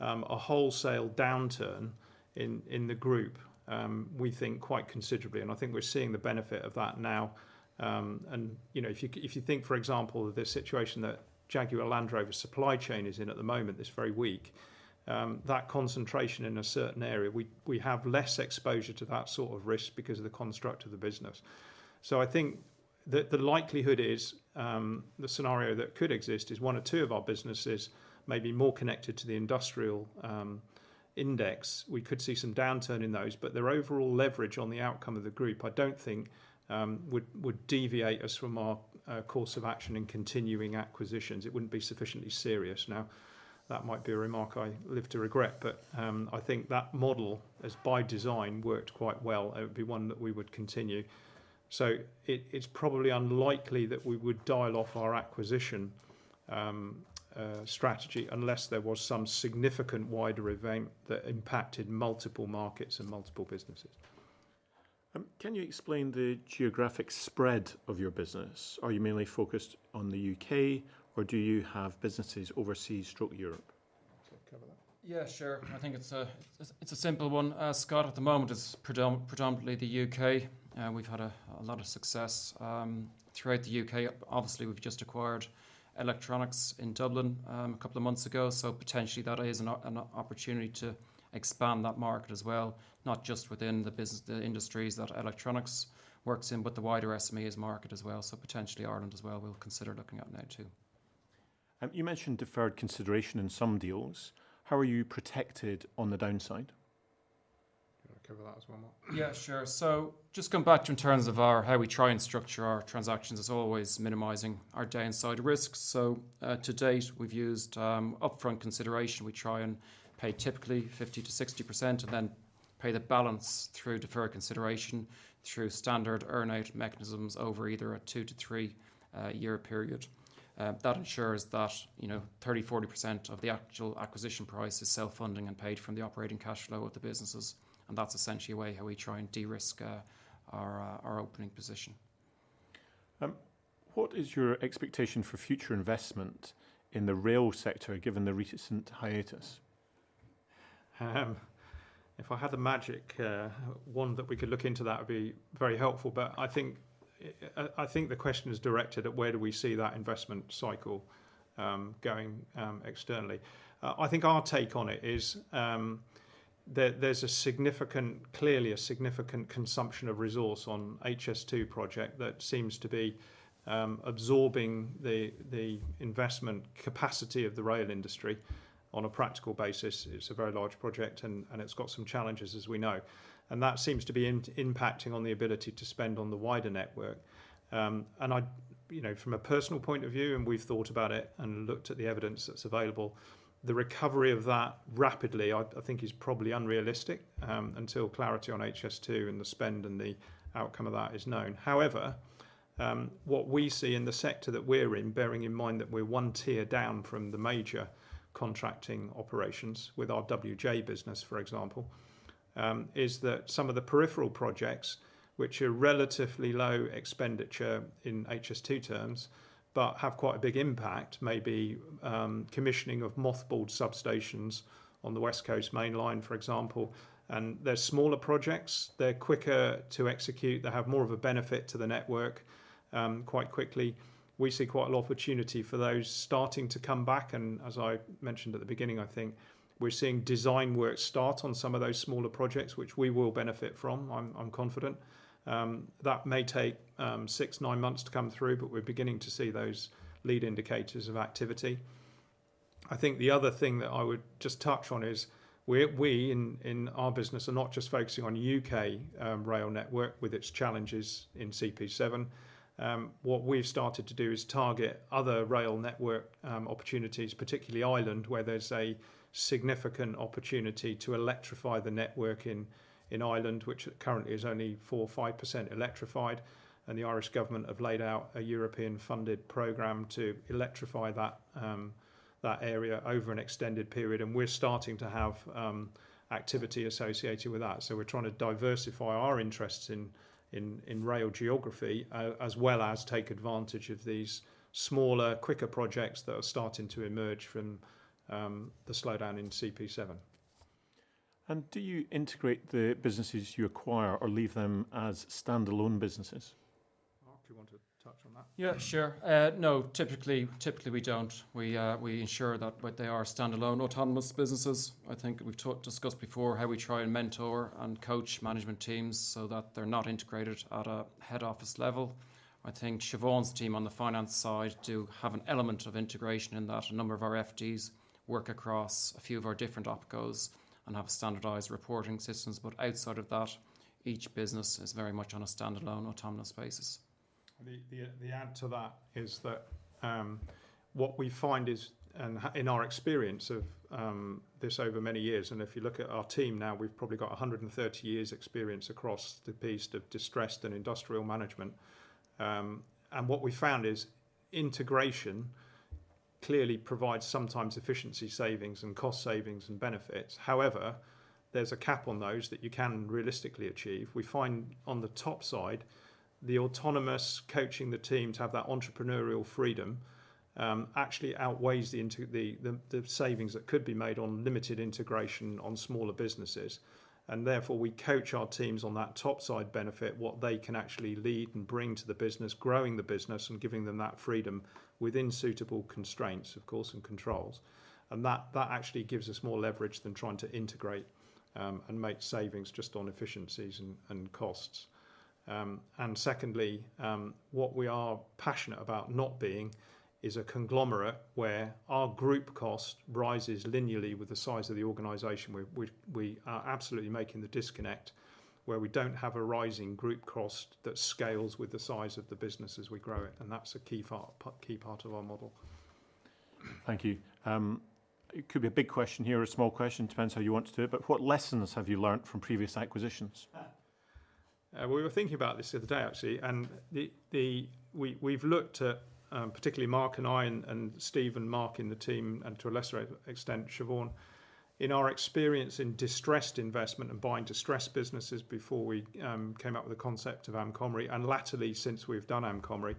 a wholesale downturn in the group, we think, quite considerably, and I think we're seeing the benefit of that now. If you think, for example, the situation that Jaguar Land Rover supply chain is in at the moment is very weak, that concentration in a certain area, we have less exposure to that sort of risk because of the construct of the business. I think the likelihood is, the scenario that could exist is one or two of our businesses may be more connected to the industrial index. We could see some downturn in those, but their overall leverage on the outcome of the group, I don't think would deviate us from our course of action in continuing acquisitions. It wouldn't be sufficiently serious. That might be a remark I live to regret, but I think that model, as by design, worked quite well, and it would be one that we would continue. It's probably unlikely that we would dial off our acquisition strategy unless there was some significant wider event that impacted multiple markets and multiple businesses. Can you explain the geographic spread of your business? Are you mainly focused on the U.K., or do you have businesses overseas through Europe? Do you want to cover that? Yeah, sure. I think it's a simple one, Scott. At the moment, it's predominantly the U.K. We've had a lot of success throughout the U.K. Obviously, we've just acquired Electronix in Dublin a couple of months ago, potentially that is an opportunity to expand that market as well, not just within the industries that Electronix works in, but the wider SMEs market as well. Potentially Ireland as well, we'll consider looking at now too. You mentioned deferred consideration in some deals. How are you protected on the downside? Do you want to cover that as one more? Yeah, sure. Just going back to in terms of how we try and structure our transactions, it's always minimizing our downside risks. To date, we've used upfront consideration. We try and pay typically 50%-60% and then pay the balance through deferred consideration through standard earn-out mechanisms over either a two-to-three-year period. That ensures that 30%-40% of the actual acquisition price is self-funding and paid from the operating cash flow of the businesses, that's essentially a way how we try and de-risk our opening position. What is your expectation for future investment in the rail sector, given the recent hiatus? If I had a magic wand that we could look into, that would be very helpful. I think the question is directed at where do we see that investment cycle going externally. Our take on it is that there's clearly a significant consumption of resource on HS2 project that seems to be absorbing the investment capacity of the rail industry on a practical basis. It's a very large project, and it's got some challenges, as we know. That seems to be impacting on the ability to spend on the wider network. From a personal point of view, and we've thought about it and looked at the evidence that's available, the recovery of that rapidly I think is probably unrealistic until clarity on HS2 and the spend and the outcome of that is known. What we see in the sector that we're in, bearing in mind that we're one tier down from the major contracting operations with our WJ business, for example, is that some of the peripheral projects, which are relatively low expenditure in HS2 terms, but have quite a big impact, maybe commissioning of mothballed substations on the West Coast Main Line, for example. They're smaller projects. They're quicker to execute. They have more of a benefit to the network quite quickly. We see quite an opportunity for those starting to come back, and as I mentioned at the beginning, I think we're seeing design work start on some of those smaller projects, which we will benefit from, I'm confident. That may take six, nine months to come through, but we're beginning to see those lead indicators of activity. The other thing that I would just touch on is we, in our business, are not just focusing on U.K. rail network with its challenges in CP7. What we've started to do is target other rail network opportunities, particularly Ireland, where there's a significant opportunity to electrify the network in Ireland, which currently is only 4% or 5% electrified. The Irish government have laid out a European-funded program to electrify that area over an extended period, and we're starting to have activity associated with that. We're trying to diversify our interests in rail geography, as well as take advantage of these smaller, quicker projects that are starting to emerge from the slowdown in CP7. Do you integrate the businesses you acquire or leave them as standalone businesses? Mark, do you want to touch on that? Yeah, sure. No, typically we don't. We ensure that they are standalone, autonomous businesses. I think we've discussed before how we try and mentor and coach management teams so that they're not integrated at a head office level. I think Siobhán's team on the finance side do have an element of integration in that a number of our FDs work across a few of our different opcos and have standardized reporting systems. Outside of that, each business is very much on a standalone, autonomous basis. The add to that is that what we find is, in our experience of this over many years, if you look at our team now, we've probably got 130 years experience across the piece of distressed and industrial management. What we found is integration clearly provides sometimes efficiency savings and cost savings and benefits. However, there's a cap on those that you can realistically achieve. We find on the top side, the autonomous coaching the team to have that entrepreneurial freedom, actually outweighs the savings that could be made on limited integration on smaller businesses. Therefore, we coach our teams on that top side benefit, what they can actually lead and bring to the business, growing the business, and giving them that freedom within suitable constraints, of course, and controls. That actually gives us more leverage than trying to integrate, and make savings just on efficiencies and costs. Secondly, what we are passionate about not being is a conglomerate where our group cost rises linearly with the size of the organization. We are absolutely making the disconnect, where we don't have a rising group cost that scales with the size of the business as we grow it, and that's a key part of our model. Thank you. It could be a big question here or a small question, depends how you want to do it, but what lessons have you learned from previous acquisitions? We were thinking about this the other day, actually. We've looked at, particularly Mark and I and Steve and Mark in the team, and to a lesser extent, Siobhán. In our experience in distressed investment and buying distressed businesses before we came up with the concept of Amcomri, and latterly, since we've done Amcomri,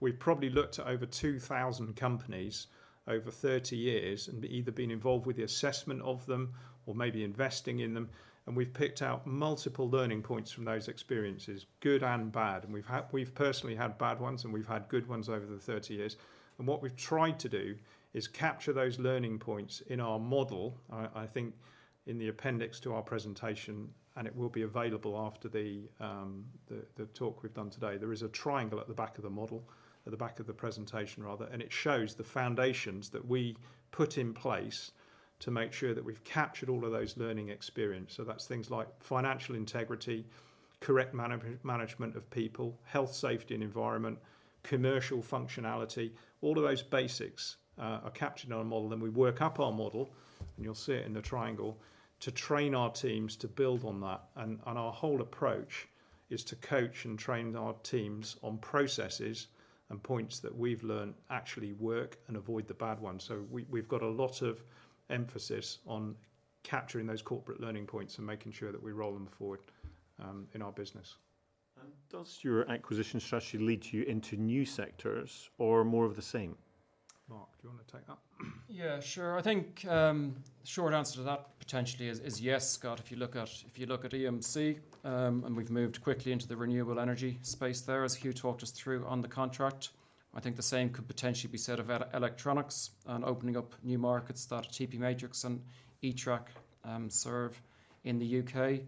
we've probably looked at over 2,000 companies over 30 years and either been involved with the assessment of them or maybe investing in them. We've picked out multiple learning points from those experiences, good and bad. We've personally had bad ones, and we've had good ones over the 30 years. What we've tried to do is capture those learning points in our model. I think in the appendix to our presentation, it will be available after the talk we've done today. There is a triangle at the back of the model, at the back of the presentation rather. It shows the foundations that we put in place to make sure that we've captured all of those learning experience. That's things like financial integrity, correct management of people, health, safety, and environment, commercial functionality. All of those basics are captured on a model. We work up our model, you'll see it in the triangle, to train our teams to build on that. Our whole approach is to coach and train our teams on processes and points that we've learned actually work and avoid the bad ones. We've got a lot of emphasis on capturing those corporate learning points and making sure that we roll them forward in our business. Does your acquisition strategy lead you into new sectors or more of the same? Mark, do you want to take that? Yeah, sure. I think, short answer to that potentially is yes, Scott. If you look at EMC, and we've moved quickly into the renewable energy space there, as Hugh talked us through on the contract. I think the same could potentially be said of Electronix and opening up new markets that TP Matrix and eTrac serve in the U.K.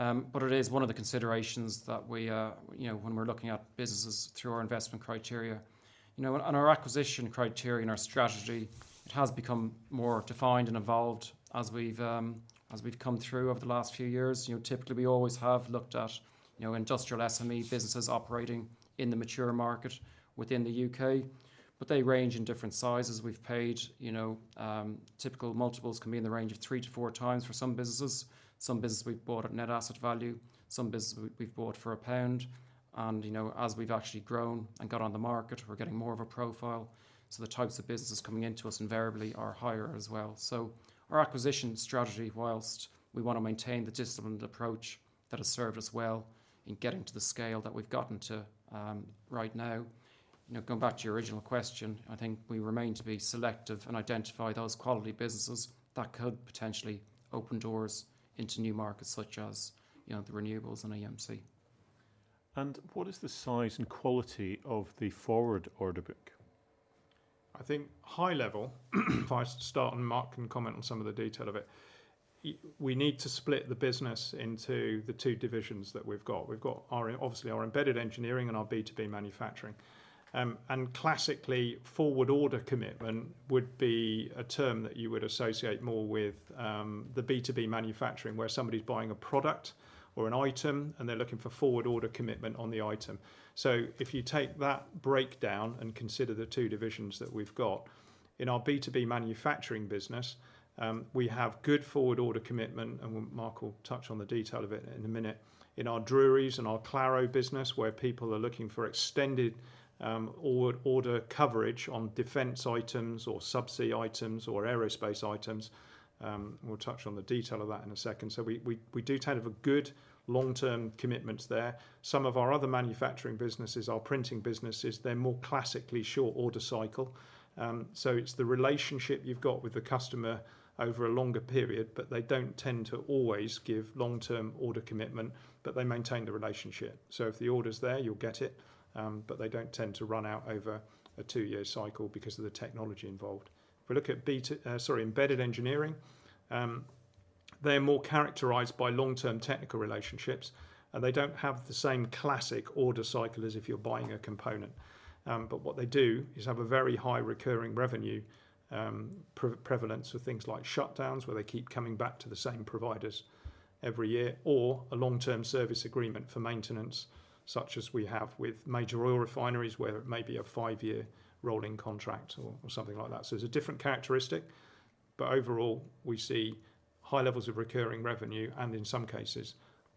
It is one of the considerations that when we're looking at businesses through our investment criteria. Our acquisition criteria and our strategy, it has become more defined and evolved as we've come through over the last few years. Typically, we always have looked at industrial SME businesses operating in the mature market within the U.K., but they range in different sizes. We've paid typical multiples can be in the range of three to 4x for some businesses. Some businesses we've bought at net asset value. Some businesses we've bought for GBP 1. As we've actually grown and got on the market, we're getting more of a profile. The types of businesses coming into us invariably are higher as well. Our acquisition strategy, whilst we want to maintain the disciplined approach that has served us well in getting to the scale that we've gotten to right now, going back to your original question, I think we remain to be selective and identify those quality businesses that could potentially open doors into new markets such as the renewables and EMC. What is the size and quality of the forward order book? I think high-level, if I start, Mark can comment on some of the detail of it. We need to split the business into the two divisions that we've got. We've got, obviously, our Embedded Engineering and our B2B Manufacturing. Classically, forward order commitment would be a term that you would associate more with the B2B Manufacturing, where somebody's buying a product or an item, and they're looking for forward order commitment on the item. If you take that breakdown and consider the two divisions that we've got, in our B2B Manufacturing business, we have good forward order commitment, and Mark will touch on the detail of it in a minute. In our Drurys and our Claro business, where people are looking for extended order coverage on defense items or subsea items or aerospace items, we'll touch on the detail of that in a second. We do have a good long-term commitment there. Some of our other manufacturing businesses, our printing businesses, they're more classically short-order cycle. It's the relationship you've got with the customer over a longer period, but they don't tend to always give long-term order commitment, but they maintain the relationship. If the order's there, you'll get it, but they don't tend to run out over a two-year cycle because of the technology involved. If we look at Embedded Engineering, they're more characterized by long-term technical relationships, and they don't have the same classic order cycle as if you're buying a component. What they do is have a very high recurring revenue prevalence for things like shutdowns, where they keep coming back to the same providers every year, or a long-term service agreement for maintenance, such as we have with major oil refineries, where it may be a five-year rolling contract or something like that. It's a different characteristic, but overall, we see high levels of recurring revenue and, in some cases,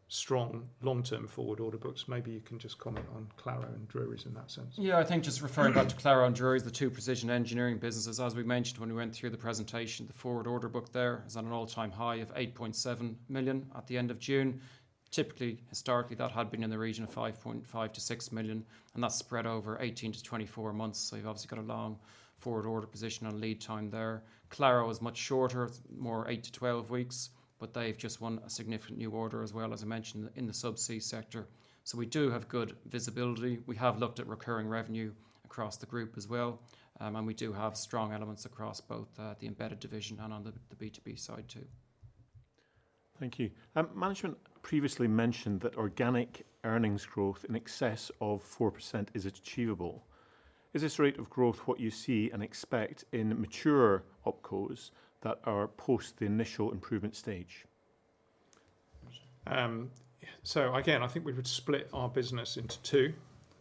strong long-term forward order books. Maybe you can just comment on Claro and Drurys in that sense. I think just referring back to Claro and Drurys, the two precision engineering businesses, as we mentioned when we went through the presentation, the forward order book there is at an all-time high of 8.7 million at the end of June. Typically, historically, that had been in the region of 5.5 million-6 million, and that's spread over 18-24 months. You've obviously got a long forward order position on lead time there. Claro is much shorter, more 8-12 weeks, but they've just won a significant new order as well, as I mentioned, in the subsea sector. We do have good visibility. We have looked at recurring revenue across the group as well, and we do have strong elements across both the Embedded Division and on the B2B side too. Thank you. Management previously mentioned that organic earnings growth in excess of 4% is achievable. Is this rate of growth what you see and expect in mature opcos that are post the initial improvement stage? Again, I think we would split our business into two.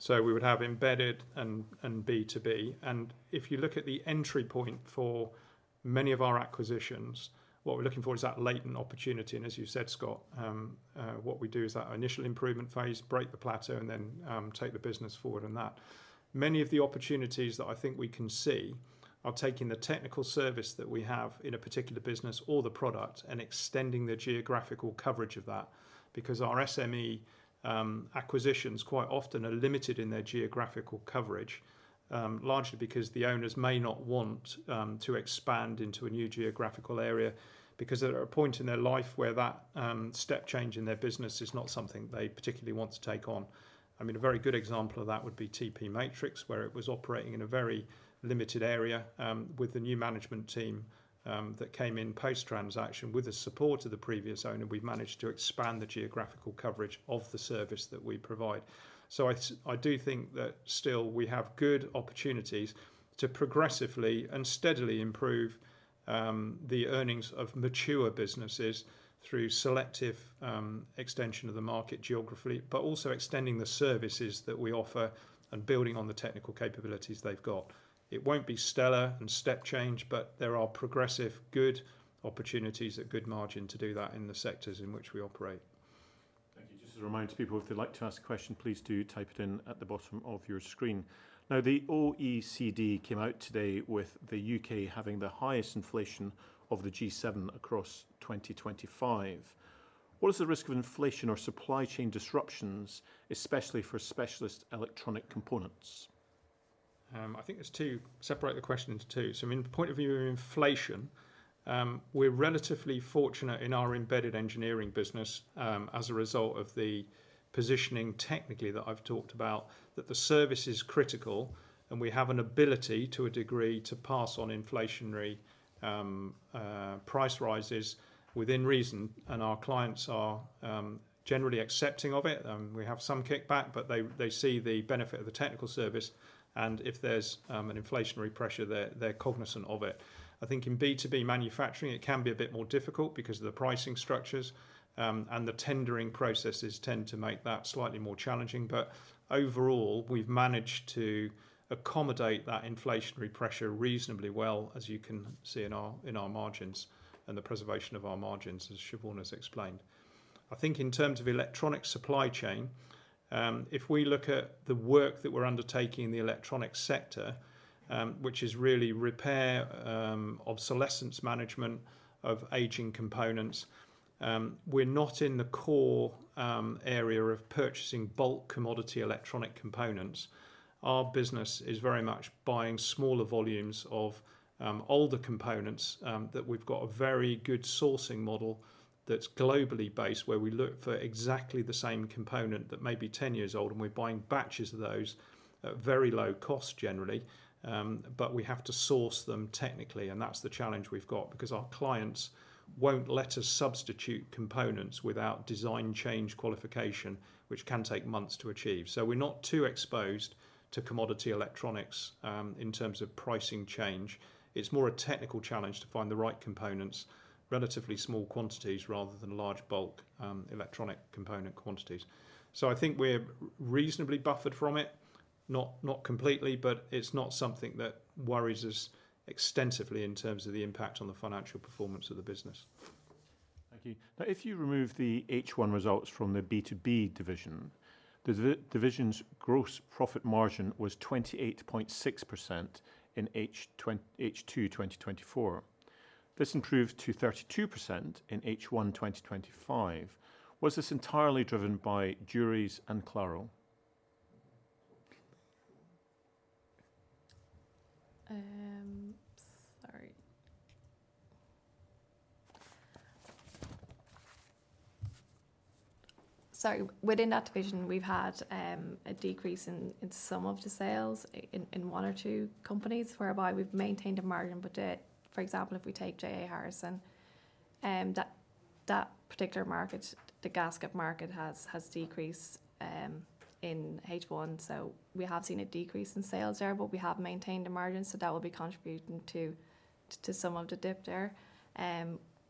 We would have embedded and B2B. If you look at the entry point for many of our acquisitions, what we're looking for is that latent opportunity. As you said, Scott, what we do is that initial improvement phase, break the plateau, then take the business forward. Many of the opportunities that I think we can see are taking the technical service that we have in a particular business or the product and extending the geographical coverage of that because our SME acquisitions quite often are limited in their geographical coverage, largely because the owners may not want to expand into a new geographical area because they're at a point in their life where that step change in their business is not something they particularly want to take on. A very good example of that would be TP Matrix, where it was operating in a very limited area, with the new management team that came in post-transaction. With the support of the previous owner, we've managed to expand the geographical coverage of the service that we provide. I do think that still we have good opportunities to progressively and steadily improve the earnings of mature businesses through selective extension of the market geography, also extending the services that we offer and building on the technical capabilities they've got. It won't be stellar and step change, there are progressive, good opportunities at good margin to do that in the sectors in which we operate. Thank you. Just a reminder to people, if they'd like to ask a question, please do type it in at the bottom of your screen. The OECD came out today with the U.K. having the highest inflation of the G7 across 2025. What is the risk of inflation or supply chain disruptions, especially for specialist electronic components? I think there's two. Separate the question into two. So in the point of view of inflation, we're relatively fortunate in our embedded engineering business, as a result of the positioning technically that I've talked about, that the service is critical, and we have an ability to a degree to pass on inflationary price rises within reason, and our clients are generally accepting of it. We have some kickback, but they see the benefit of the technical service, and if there's an inflationary pressure, they're cognizant of it. I think in B2B Manufacturing, it can be a bit more difficult because of the pricing structures, and the tendering processes tend to make that slightly more challenging. Overall, we've managed to accommodate that inflationary pressure reasonably well, as you can see in our margins and the preservation of our margins, as Siobhán has explained. I think in terms of electronic supply chain, if we look at the work that we're undertaking in the electronic sector, which is really repair, obsolescence management of aging components. We're not in the core area of purchasing bulk commodity electronic components. Our business is very much buying smaller volumes of older components, that we've got a very good sourcing model that's globally based, where we look for exactly the same component that may be 10 years old, and we're buying batches of those at very low cost generally. But we have to source them technically, and that's the challenge we've got, because our clients won't let us substitute components without design change qualification, which can take months to achieve. So we're not too exposed to commodity electronics, in terms of pricing change. It's more a technical challenge to find the right components, relatively small quantities rather than large bulk electronic component quantities. I think we're reasonably buffered from it. Not completely, but it's not something that worries us extensively in terms of the impact on the financial performance of the business. Thank you. Now, if you remove the H1 results from the B2B division, the division's gross profit margin was 28.6% in H2 2024. This improved to 32% in H1 2025. Was this entirely driven by Drurys and Claro? Sorry. Within that division, we've had a decrease in some of the sales in one or two companies, whereby we've maintained a margin. For example, if we take JA Harrison, that particular market, the gasket market, has decreased in H1, we have seen a decrease in sales there, but we have maintained a margin, so that will be contributing to some of the dip there.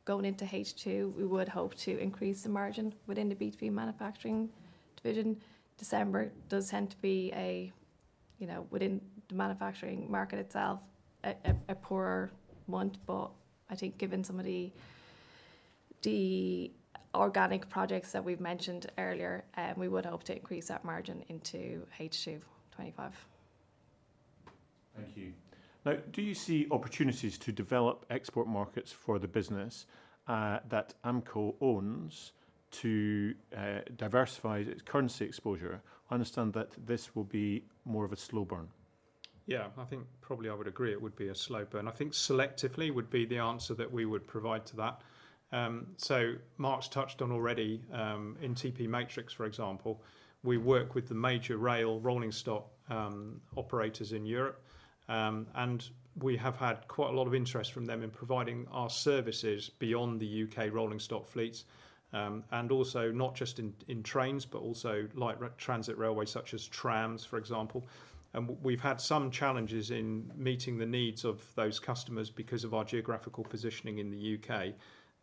Going into H2, we would hope to increase the margin within the B2B Manufacturing division. December does tend to be, within the manufacturing market itself, a poorer month. I think given some of the organic projects that we've mentioned earlier, we would hope to increase that margin into H2 2025. Thank you. Do you see opportunities to develop export markets for the business that Amcomri owns to diversify its currency exposure? I understand that this will be more of a slow burn. I think probably I would agree it would be a slow burn. I think selectively would be the answer that we would provide to that. Mark's touched on already, in TP Matrix, for example, we work with the major rail rolling stock operators in Europe. We have had quite a lot of interest from them in providing our services beyond the U.K. rolling stock fleets. Also not just in trains, but also light transit railways such as trams, for example. We've had some challenges in meeting the needs of those customers because of our geographical positioning in the U.K.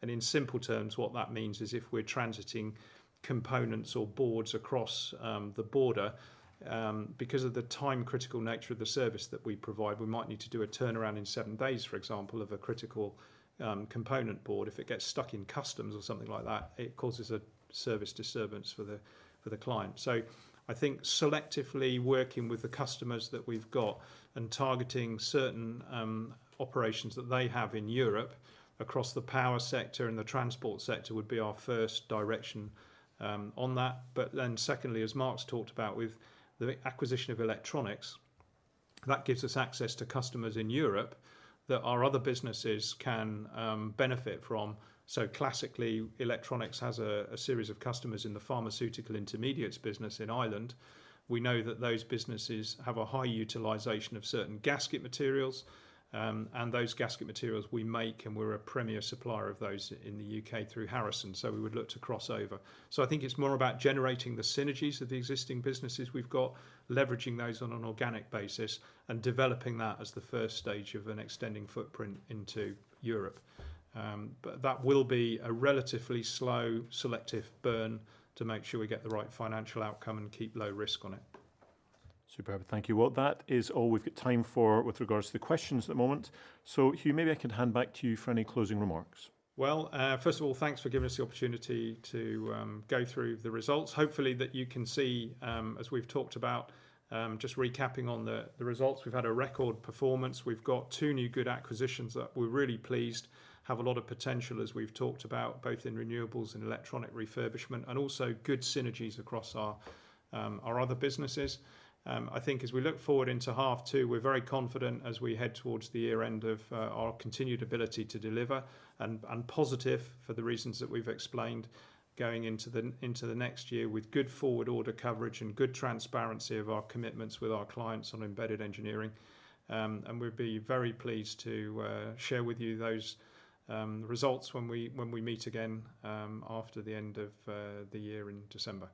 In simple terms, what that means is if we're transiting components or boards across the border, because of the time critical nature of the service that we provide, we might need to do a turnaround in seven days, for example, of a critical component board. If it gets stuck in customs or something like that, it causes a service disturbance for the client. I think selectively working with the customers that we've got and targeting certain operations that they have in Europe across the power sector and the transport sector would be our first direction on that. Secondly, as Mark's talked about, with the acquisition of Electronix, that gives us access to customers in Europe that our other businesses can benefit from. Classically, Electronix has a series of customers in the pharmaceutical intermediates business in Ireland. We know that those businesses have a high utilization of certain gasket materials, and those gasket materials we make, and we're a premier supplier of those in the U.K. through Harrison, so we would look to cross over. I think it's more about generating the synergies of the existing businesses we've got, leveraging those on an organic basis, and developing that as the first stage of an extending footprint into Europe. That will be a relatively slow selective burn to make sure we get the right financial outcome and keep low risk on it. Superb. Thank you. That is all we've got time for with regards to the questions at the moment. Hugh, maybe I can hand back to you for any closing remarks. First of all, thanks for giving us the opportunity to go through the results. Hopefully that you can see, as we've talked about, just recapping on the results. We've had a record performance. We've got two new good acquisitions that we're really pleased have a lot of potential, as we've talked about, both in renewables and electronic refurbishment, and also good synergies across our other businesses. I think as we look forward into H2, we're very confident as we head towards the year-end of our continued ability to deliver and positive for the reasons that we've explained going into the next year with good forward order coverage and good transparency of our commitments with our clients on embedded engineering. We'd be very pleased to share with you those results when we meet again, after the end of the year in December.